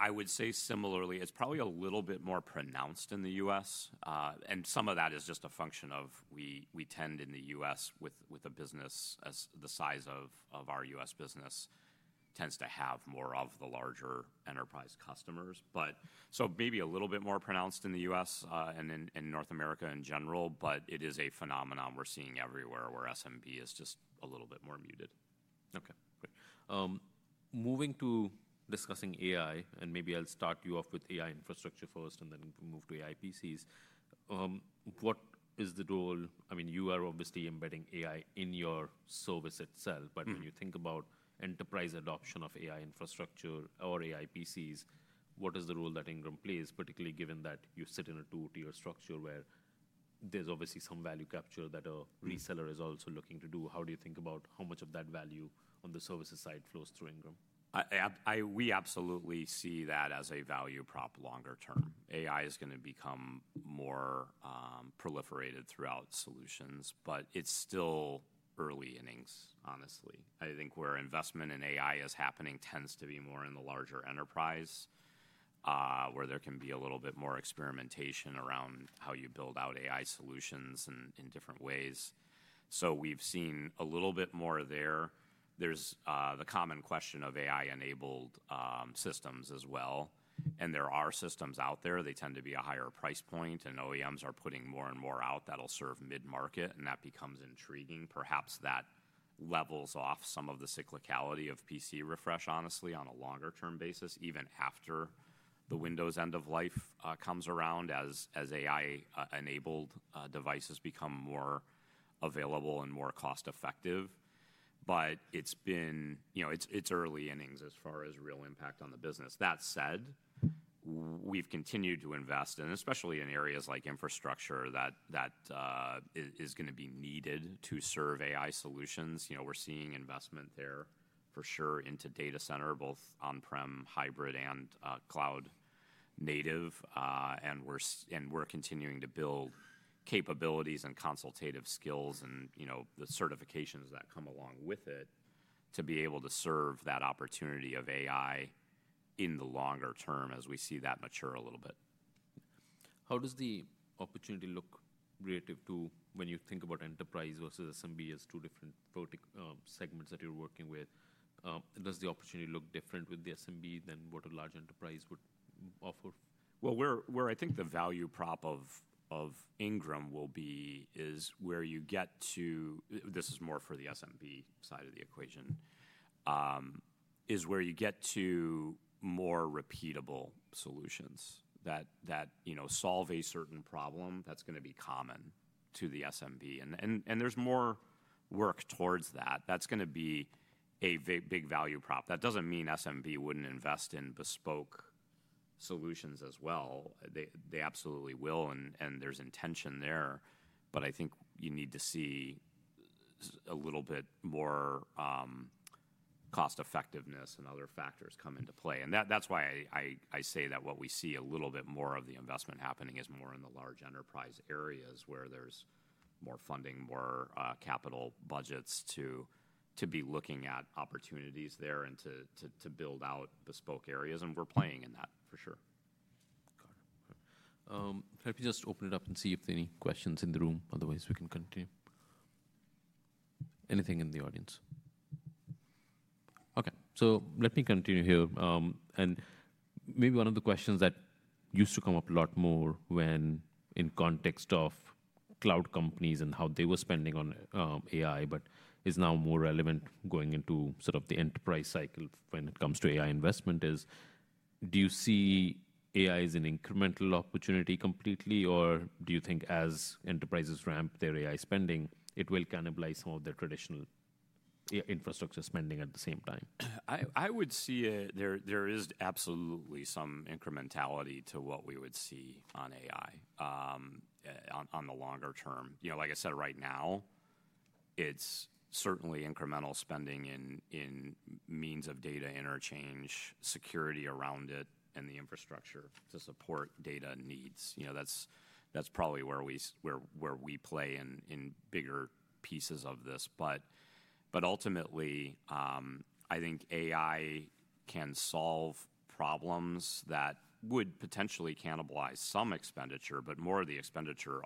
I would say similarly, it's probably a little bit more pronounced in the U.S. Some of that is just a function of we tend in the U.S., with a business as the size of our U.S. business, tends to have more of the larger enterprise customers. Maybe a little bit more pronounced in the U.S. and in North America in general, but it is a phenomenon we're seeing everywhere where SMB is just a little bit more muted. Okay. Good. Moving to discussing AI, and maybe I'll start you off with AI infrastructure first and then move to AI PCs. What is the role? I mean, you are obviously embedding AI in your service itself, but when you think about enterprise adoption of AI infrastructure or AI PCs, what is the role that Ingram plays, particularly given that you sit in a two-tier structure where there's obviously some value capture that a reseller is also looking to do? How do you think about how much of that value on the services side flows through Ingram? We absolutely see that as a value prop longer term. AI is going to become more proliferated throughout solutions, but it's still early innings, honestly. I think where investment in AI is happening tends to be more in the larger enterprise where there can be a little bit more experimentation around how you build out AI solutions in different ways. We have seen a little bit more there. There's the common question of AI-enabled systems as well. There are systems out there. They tend to be a higher price point and OEMs are putting more and more out that'll serve mid-market, and that becomes intriguing. Perhaps that levels off some of the cyclicality of PC refresh, honestly, on a longer-term basis, even after the Windows end of life comes around as AI-enabled devices become more available and more cost-effective. It's been, you know, it's early innings as far as real impact on the business. That said, we've continued to invest, and especially in areas like infrastructure that is going to be needed to serve AI solutions. You know, we're seeing investment there for sure into data center, both on-prem, hybrid, and cloud native. We're continuing to build capabilities and consultative skills and, you know, the certifications that come along with it to be able to serve that opportunity of AI in the longer term as we see that mature a little bit. How does the opportunity look relative to when you think about enterprise versus SMB as two different segments that you're working with? Does the opportunity look different with the SMB than what a large enterprise would offer? I think the value prop of Ingram will be where you get to, this is more for the SMB side of the equation, where you get to more repeatable solutions that, you know, solve a certain problem that's going to be common to the SMB. There is more work towards that. That is going to be a big value prop. That does not mean SMB would not invest in bespoke solutions as well. They absolutely will, and there is intention there. I think you need to see a little bit more cost-effectiveness and other factors come into play. That is why I say that what we see a little bit more of the investment happening is more in the large enterprise areas where there is more funding, more capital budgets to be looking at opportunities there and to build out bespoke areas. We are playing in that for sure. Got it. Let me just open it up and see if there are any questions in the room. Otherwise, we can continue. Anything in the audience? Okay. Let me continue here. Maybe one of the questions that used to come up a lot more in context of cloud companies and how they were spending on AI, but is now more relevant going into sort of the enterprise cycle when it comes to AI investment is, do you see AI as an incremental opportunity completely, or do you think as enterprises ramp their AI spending, it will cannibalize some of their traditional infrastructure spending at the same time? I would see there is absolutely some incrementality to what we would see on AI on the longer term. You know, like I said, right now, it's certainly incremental spending in means of data interchange, security around it, and the infrastructure to support data needs. You know, that's probably where we play in bigger pieces of this. Ultimately, I think AI can solve problems that would potentially cannibalize some expenditure, but more of the expenditure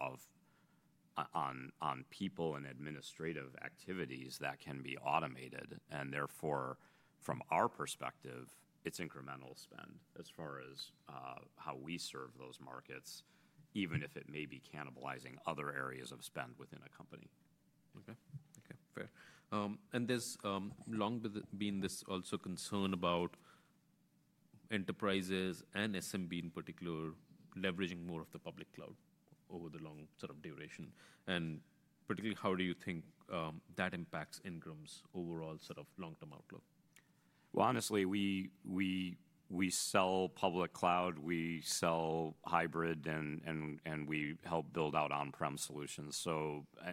on people and administrative activities that can be automated. Therefore, from our perspective, it's incremental spend as far as how we serve those markets, even if it may be cannibalizing other areas of spend within a company. Okay. Okay. Fair. There has long been this also concern about enterprises and SMB in particular leveraging more of the public cloud over the long sort of duration. Particularly, how do you think that impacts Ingram's overall sort of long-term outlook? Honestly, we sell public cloud, we sell hybrid, and we help build out on-prem solutions.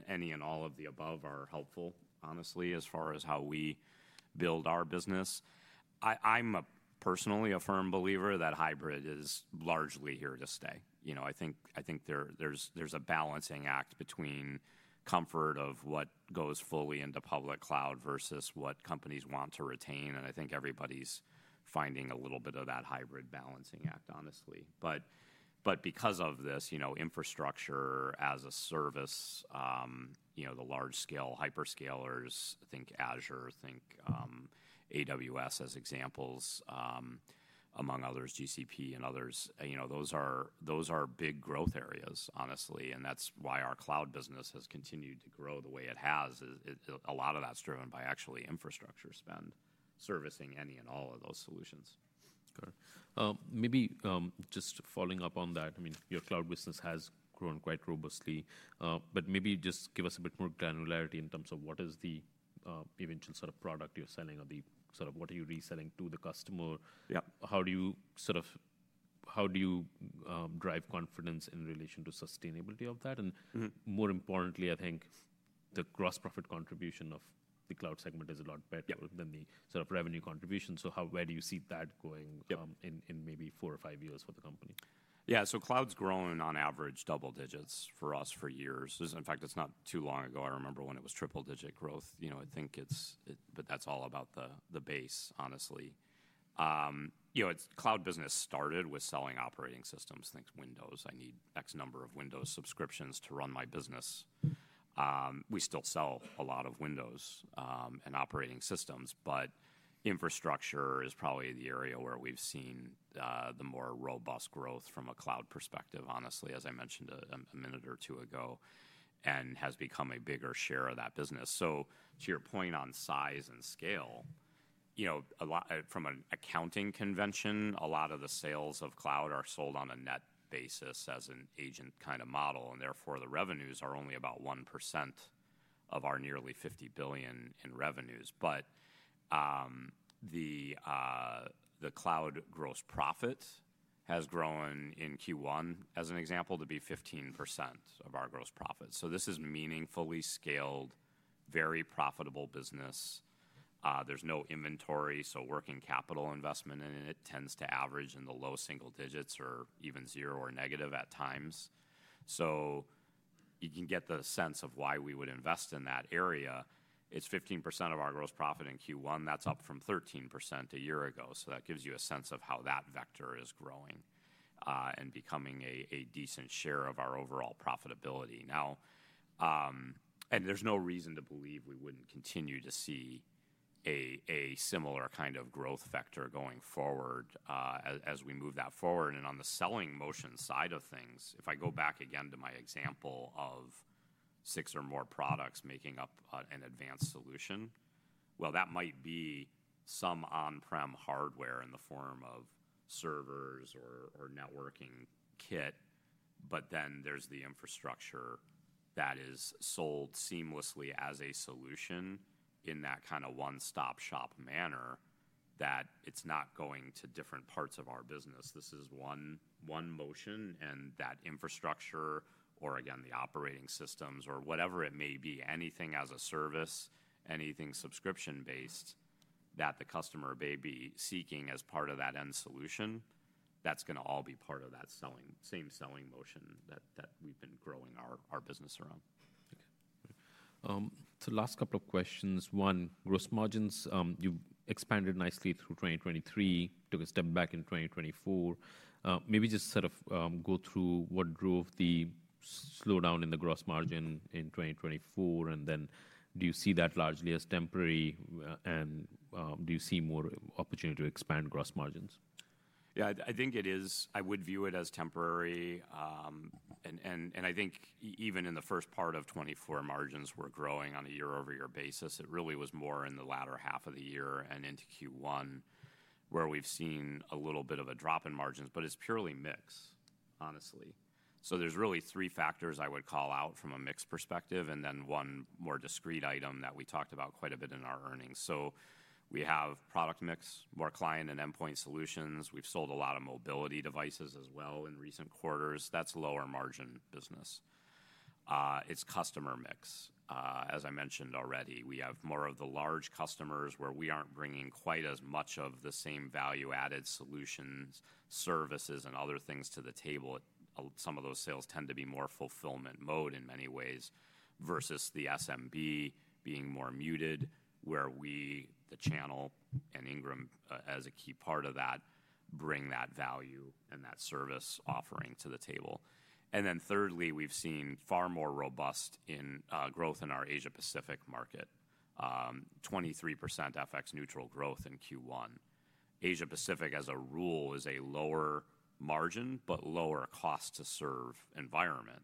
Any and all of the above are helpful, honestly, as far as how we build our business. I'm personally a firm believer that hybrid is largely here to stay. You know, I think there's a balancing act between comfort of what goes fully into public cloud versus what companies want to retain. I think everybody's finding a little bit of that hybrid balancing act, honestly. Because of this, you know, infrastructure as a service, the large-scale hyperscalers, I think Azure, I think AWS as examples, among others, GCP and others, those are big growth areas, honestly. That's why our cloud business has continued to grow the way it has. A lot of that's driven by actually infrastructure spend servicing any and all of those solutions. Got it. Maybe just following up on that, I mean, your cloud business has grown quite robustly, but maybe just give us a bit more granularity in terms of what is the eventual sort of product you're selling or the sort of what are you reselling to the customer? How do you sort of, how do you drive confidence in relation to sustainability of that? More importantly, I think the gross profit contribution of the cloud segment is a lot better than the sort of revenue contribution. Where do you see that going in maybe four or five years for the company? Yeah, so cloud's grown on average double digits for us for years. In fact, it's not too long ago. I remember when it was triple-digit growth. You know, I think it's, but that's all about the base, honestly. You know, cloud business started with selling operating systems. Think Windows. I need X number of Windows subscriptions to run my business. We still sell a lot of Windows and operating systems, but infrastructure is probably the area where we've seen the more robust growth from a cloud perspective, honestly, as I mentioned a minute or two ago, and has become a bigger share of that business. To your point on size and scale, you know, from an accounting convention, a lot of the sales of cloud are sold on a net basis as an agent kind of model, and therefore the revenues are only about 1% of our nearly $50 billion in revenues. The cloud gross profit has grown in Q1, as an example, to be 15% of our gross profit. This is meaningfully scaled, very profitable business. There is no inventory, so working capital investment in it tends to average in the low single digits or even zero or negative at times. You can get the sense of why we would invest in that area. It is 15% of our gross profit in Q1. That is up from 13% a year ago. That gives you a sense of how that vector is growing and becoming a decent share of our overall profitability. Now, there's no reason to believe we wouldn't continue to see a similar kind of growth vector going forward as we move that forward. On the selling motion side of things, if I go back again to my example of six or more products making up an advanced solution, that might be some on-prem hardware in the form of servers or networking kit, but then there's the infrastructure that is sold seamlessly as a solution in that kind of one-stop shop manner, that it's not going to different parts of our business. This is one motion, and that infrastructure or, again, the operating systems or whatever it may be, anything as a service, anything subscription-based that the customer may be seeking as part of that end solution, that's going to all be part of that same selling motion that we've been growing our business around. Okay. Last couple of questions. One, gross margins, you have expanded nicely through 2023, took a step back in 2024. Maybe just sort of go through what drove the slowdown in the gross margin in 2024, and then do you see that largely as temporary, and do you see more opportunity to expand gross margins? Yeah, I think it is. I would view it as temporary. I think even in the first part of 2024, margins were growing on a year-over-year basis. It really was more in the latter half of the year and into Q1 where we've seen a little bit of a drop in margins, but it's purely mix, honestly. There are really three factors I would call out from a mix perspective, and then one more discrete item that we talked about quite a bit in our earnings. We have product mix, more client and endpoint solutions. We've sold a lot of mobility devices as well in recent quarters. That's lower margin business. It's customer mix. As I mentioned already, we have more of the large customers where we aren't bringing quite as much of the same value-added solutions, services, and other things to the table. Some of those sales tend to be more fulfillment mode in many ways versus the SMB being more muted where we, the channel and Ingram as a key part of that, bring that value and that service offering to the table. Thirdly, we've seen far more robust growth in our Asia Pacific market, 23% FX neutral growth in Q1. Asia Pacific as a rule is a lower margin, but lower cost to serve environment.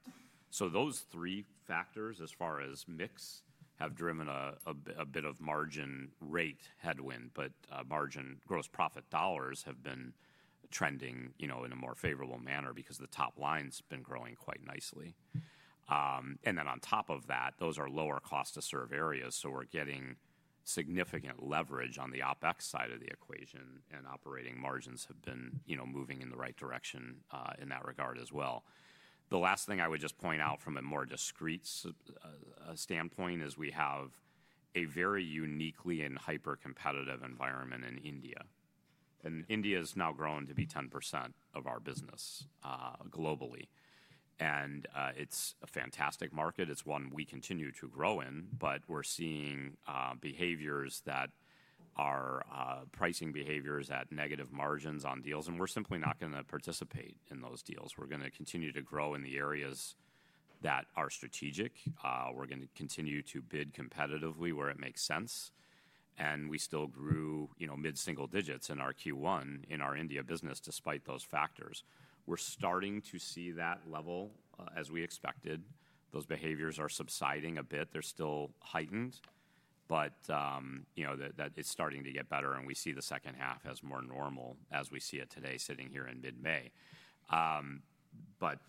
Those three factors as far as mix have driven a bit of margin rate headwind, but margin gross profit dollars have been trending, you know, in a more favorable manner because the top line's been growing quite nicely. On top of that, those are lower cost to serve areas. We're getting significant leverage on the OpEx side of the equation, and operating margins have been, you know, moving in the right direction in that regard as well. The last thing I would just point out from a more discrete standpoint is we have a very uniquely and hyper-competitive environment in India. India has now grown to be 10% of our business globally. It's a fantastic market. It's one we continue to grow in, but we're seeing behaviors that are pricing behaviors at negative margins on deals, and we're simply not going to participate in those deals. We're going to continue to grow in the areas that are strategic. We're going to continue to bid competitively where it makes sense. We still grew, you know, mid-single digits in our Q1 in our India business despite those factors. We're starting to see that level as we expected. Those behaviors are subsiding a bit. They're still heightened, but, you know, that it's starting to get better. We see the second half as more normal as we see it today sitting here in mid-May. That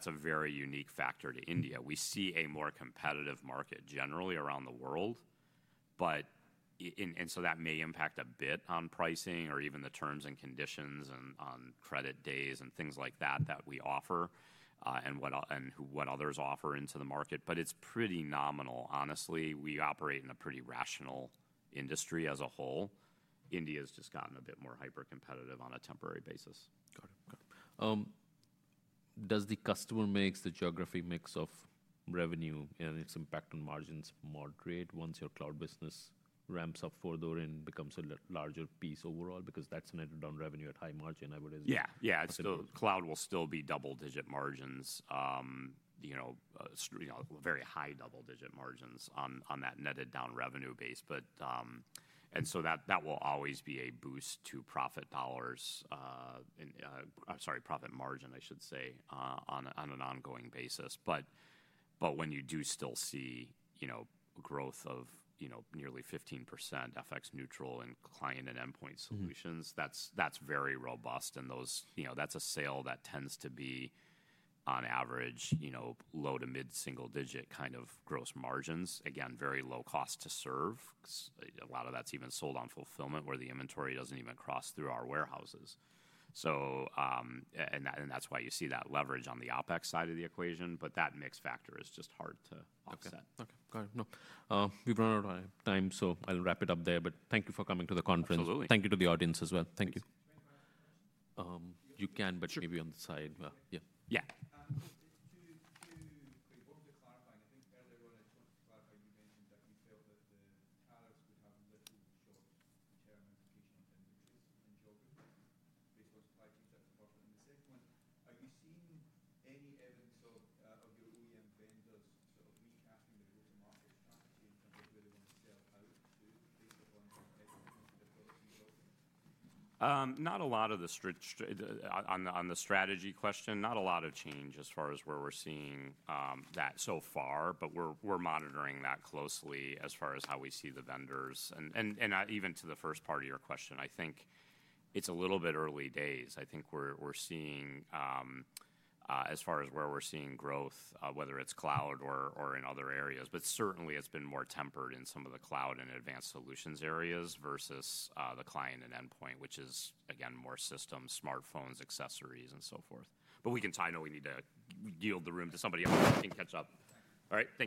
is a very unique factor to India. We see a more competitive market generally around the world, and that may impact a bit on pricing or even the terms and conditions and on credit days and things like that that we offer and what others offer into the market. It is pretty nominal, honestly. We operate in a pretty rational industry as a whole. India has just gotten a bit more hyper-competitive on a temporary basis. Got it. Got it. Does the customer mix, the geography mix of revenue and its impact on margins moderate once your cloud business ramps up further and becomes a larger piece overall? Because that is netted down revenue at high margin, I would assume. Yeah, yeah. Cloud will still be double-digit margins, you know, very high double-digit margins on that netted down revenue base. But, and so that will always be a boost to profit dollars, I'm sorry, profit margin, I should say, on an ongoing basis. When you do still see, you know, growth of, you know, nearly 15% FX neutral in client and endpoint solutions, that's very robust. Those, you know, that's a sale that tends to be on average, you know, low to mid-single digit kind of gross margins. Again, very low cost to serve. A lot of that's even sold on fulfillment where the inventory does not even cross through our warehouses. That is why you see that leverage on the OpEx side of the equation, but that mix factor is just hard to offset. Okay. Okay. Got it. No. We've run out of time, so I'll wrap it up there, but thank you for coming to the conference. Absolutely. Thank you to the audience as well. Thank you. You can, but maybe on the side. Yeah. Yeah. Just as far as where we're seeing growth, whether it's cloud or in other areas, but certainly it's been more tempered in some of the cloud and advanced solutions areas versus the client and endpoint, which is, again, more systems, smartphones, accessories, and so forth. We can tie, I know we need to yield the room to somebody else. I can catch up. All right. Thank you.